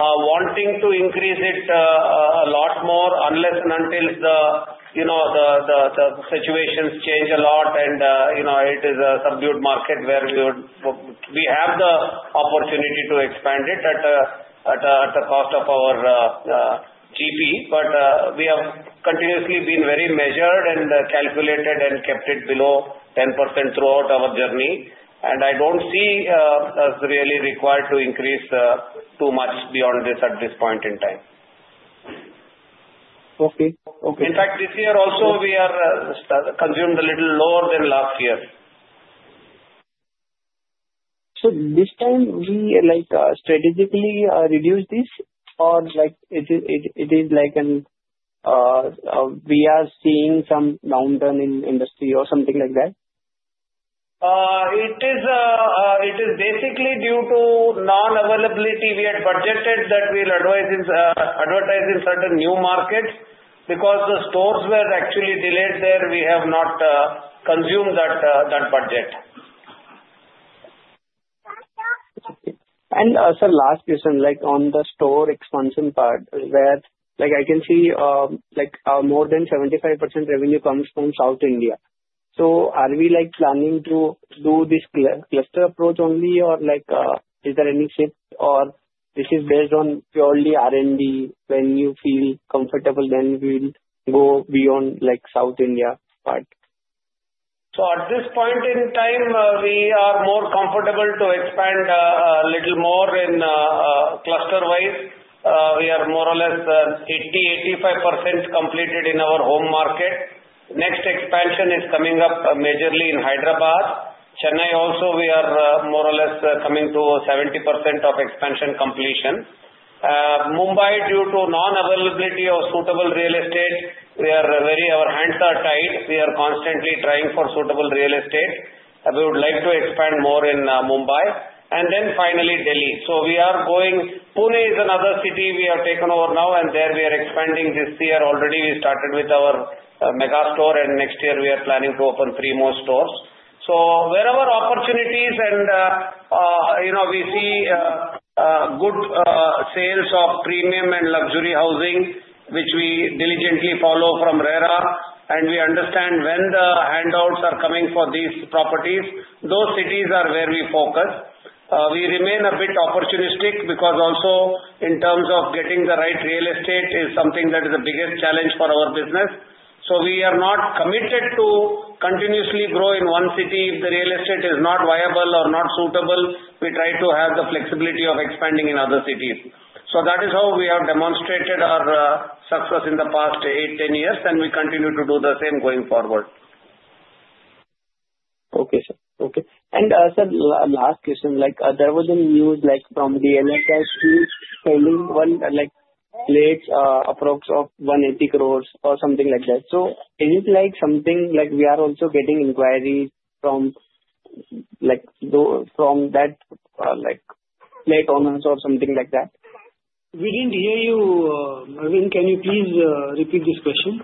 wanting to increase it a lot more unless and until the situations change a lot, and it is a subdued market where we have the opportunity to expand it at the cost of our GP. We have continuously been very measured and calculated and kept it below 10% throughout our journey. I don't see us really required to increase too much beyond this at this point in time. Okay. Okay. In fact, this year also, we have consumed a little lower than last year. So this time, we strategically reduce this, or it is like we are seeing some downturn in industry or something like that? It is basically due to non-availability. We had budgeted that we'll advertise in certain new markets because the stores were actually delayed there. We have not consumed that budget. Sir, last question. On the store expansion part, where I can see more than 75% revenue comes from South India. Are we planning to do this cluster approach only, or is there any shift, or this is based on purely R&D? When you feel comfortable, then we'll go beyond South India part. So at this point in time, we are more comfortable to expand a little more in cluster-wise. We are more or less 80%-85% completed in our home market. Next expansion is coming up majorly in Hyderabad. Chennai also, we are more or less coming to 70% of expansion completion. Mumbai, due to non-availability of suitable real estate, we are very our hands are tied. We are constantly trying for suitable real estate. We would like to expand more in Mumbai. And then finally, Delhi. So we are going. Pune is another city we have taken over now, and there we are expanding this year. Already, we started with our mega store, and next year, we are planning to open three more stores. So wherever opportunities and we see good sales of premium and luxury housing, which we diligently follow from RERA, and we understand when the handovers are coming for these properties, those cities are where we focus. We remain a bit opportunistic because also, in terms of getting the right real estate, is something that is the biggest challenge for our business. So we are not committed to continuously grow in one city. If the real estate is not viable or not suitable, we try to have the flexibility of expanding in other cities. So that is how we have demonstrated our success in the past eight, 10 years, and we continue to do the same going forward. Okay, sir. Okay. And, sir, last question. There was news from the DLF selling one flat approximately of 180 crores or something like that. So, is it something like we are also getting inquiries from those flat owners or something like that? We didn't hear you. Arvind, can you please repeat this question?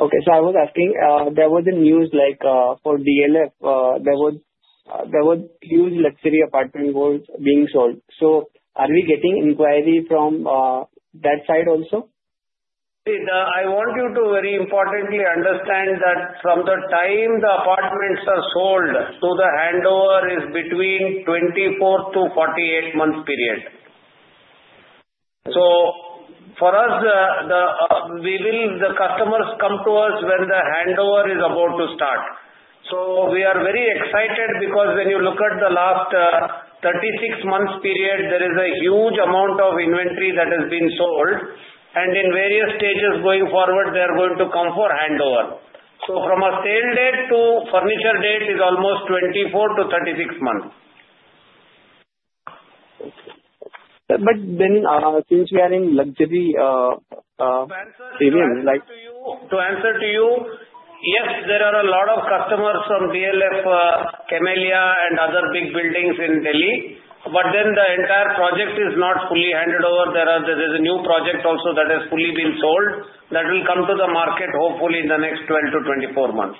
Okay. So I was asking, there was news for DLF. There were huge luxury apartment sales being sold. So are we getting inquiry from that side also? I want you to very importantly understand that from the time the apartments are sold to the handover is between 24-48 months period. So for us, the customers come to us when the handover is about to start. So we are very excited because when you look at the last 36 months period, there is a huge amount of inventory that has been sold. And in various stages going forward, they are going to come for handover. So from a sale date to furniture date is almost 24-36 months. But then, since we are in luxury premium. To answer to you, yes, there are a lot of customers from DLF Camellias and other big buildings in Delhi. But then the entire project is not fully handed over. There is a new project also that has fully been sold that will come to the market, hopefully, in the next 12-24 months.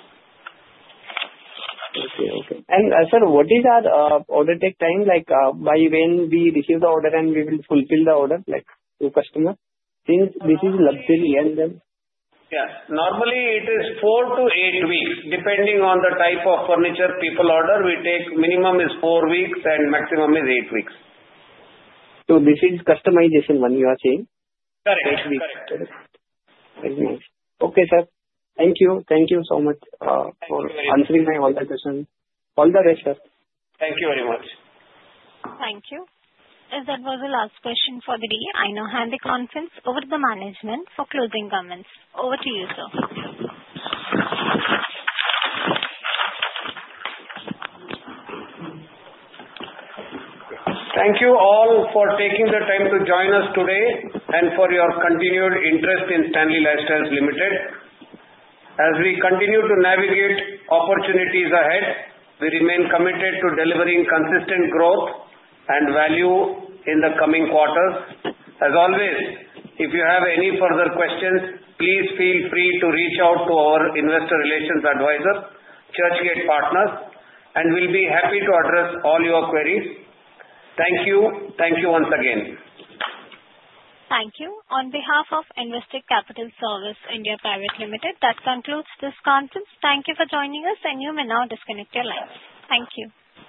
Okay. Okay. And sir, what is our order take time? By when we receive the order and we will fulfill the order to customer? Since this is luxury, and then. Yes. Normally, it is four to eight weeks, depending on the type of furniture people order. We take minimum is four weeks and maximum is eight weeks. So this is customization one you are saying? Correct. Correct. Very nice. Okay, sir. Thank you. Thank you so much for answering my all the questions. All the best, sir. Thank you very much. Thank you. That was the last question for the day. I now hand the conference over to the management for closing comments. Over to you, sir. Thank you all for taking the time to join us today and for your continued interest in Stanley Lifestyles Limited. As we continue to navigate opportunities ahead, we remain committed to delivering consistent growth and value in the coming quarters. As always, if you have any further questions, please feel free to reach out to our investor relations advisor, Churchgate Partners, and we'll be happy to address all your queries. Thank you. Thank you once again. Thank you. On behalf of Investec Capital Services (India) Private Limited, that concludes this conference. Thank you for joining us, and you may now disconnect your line. Thank you.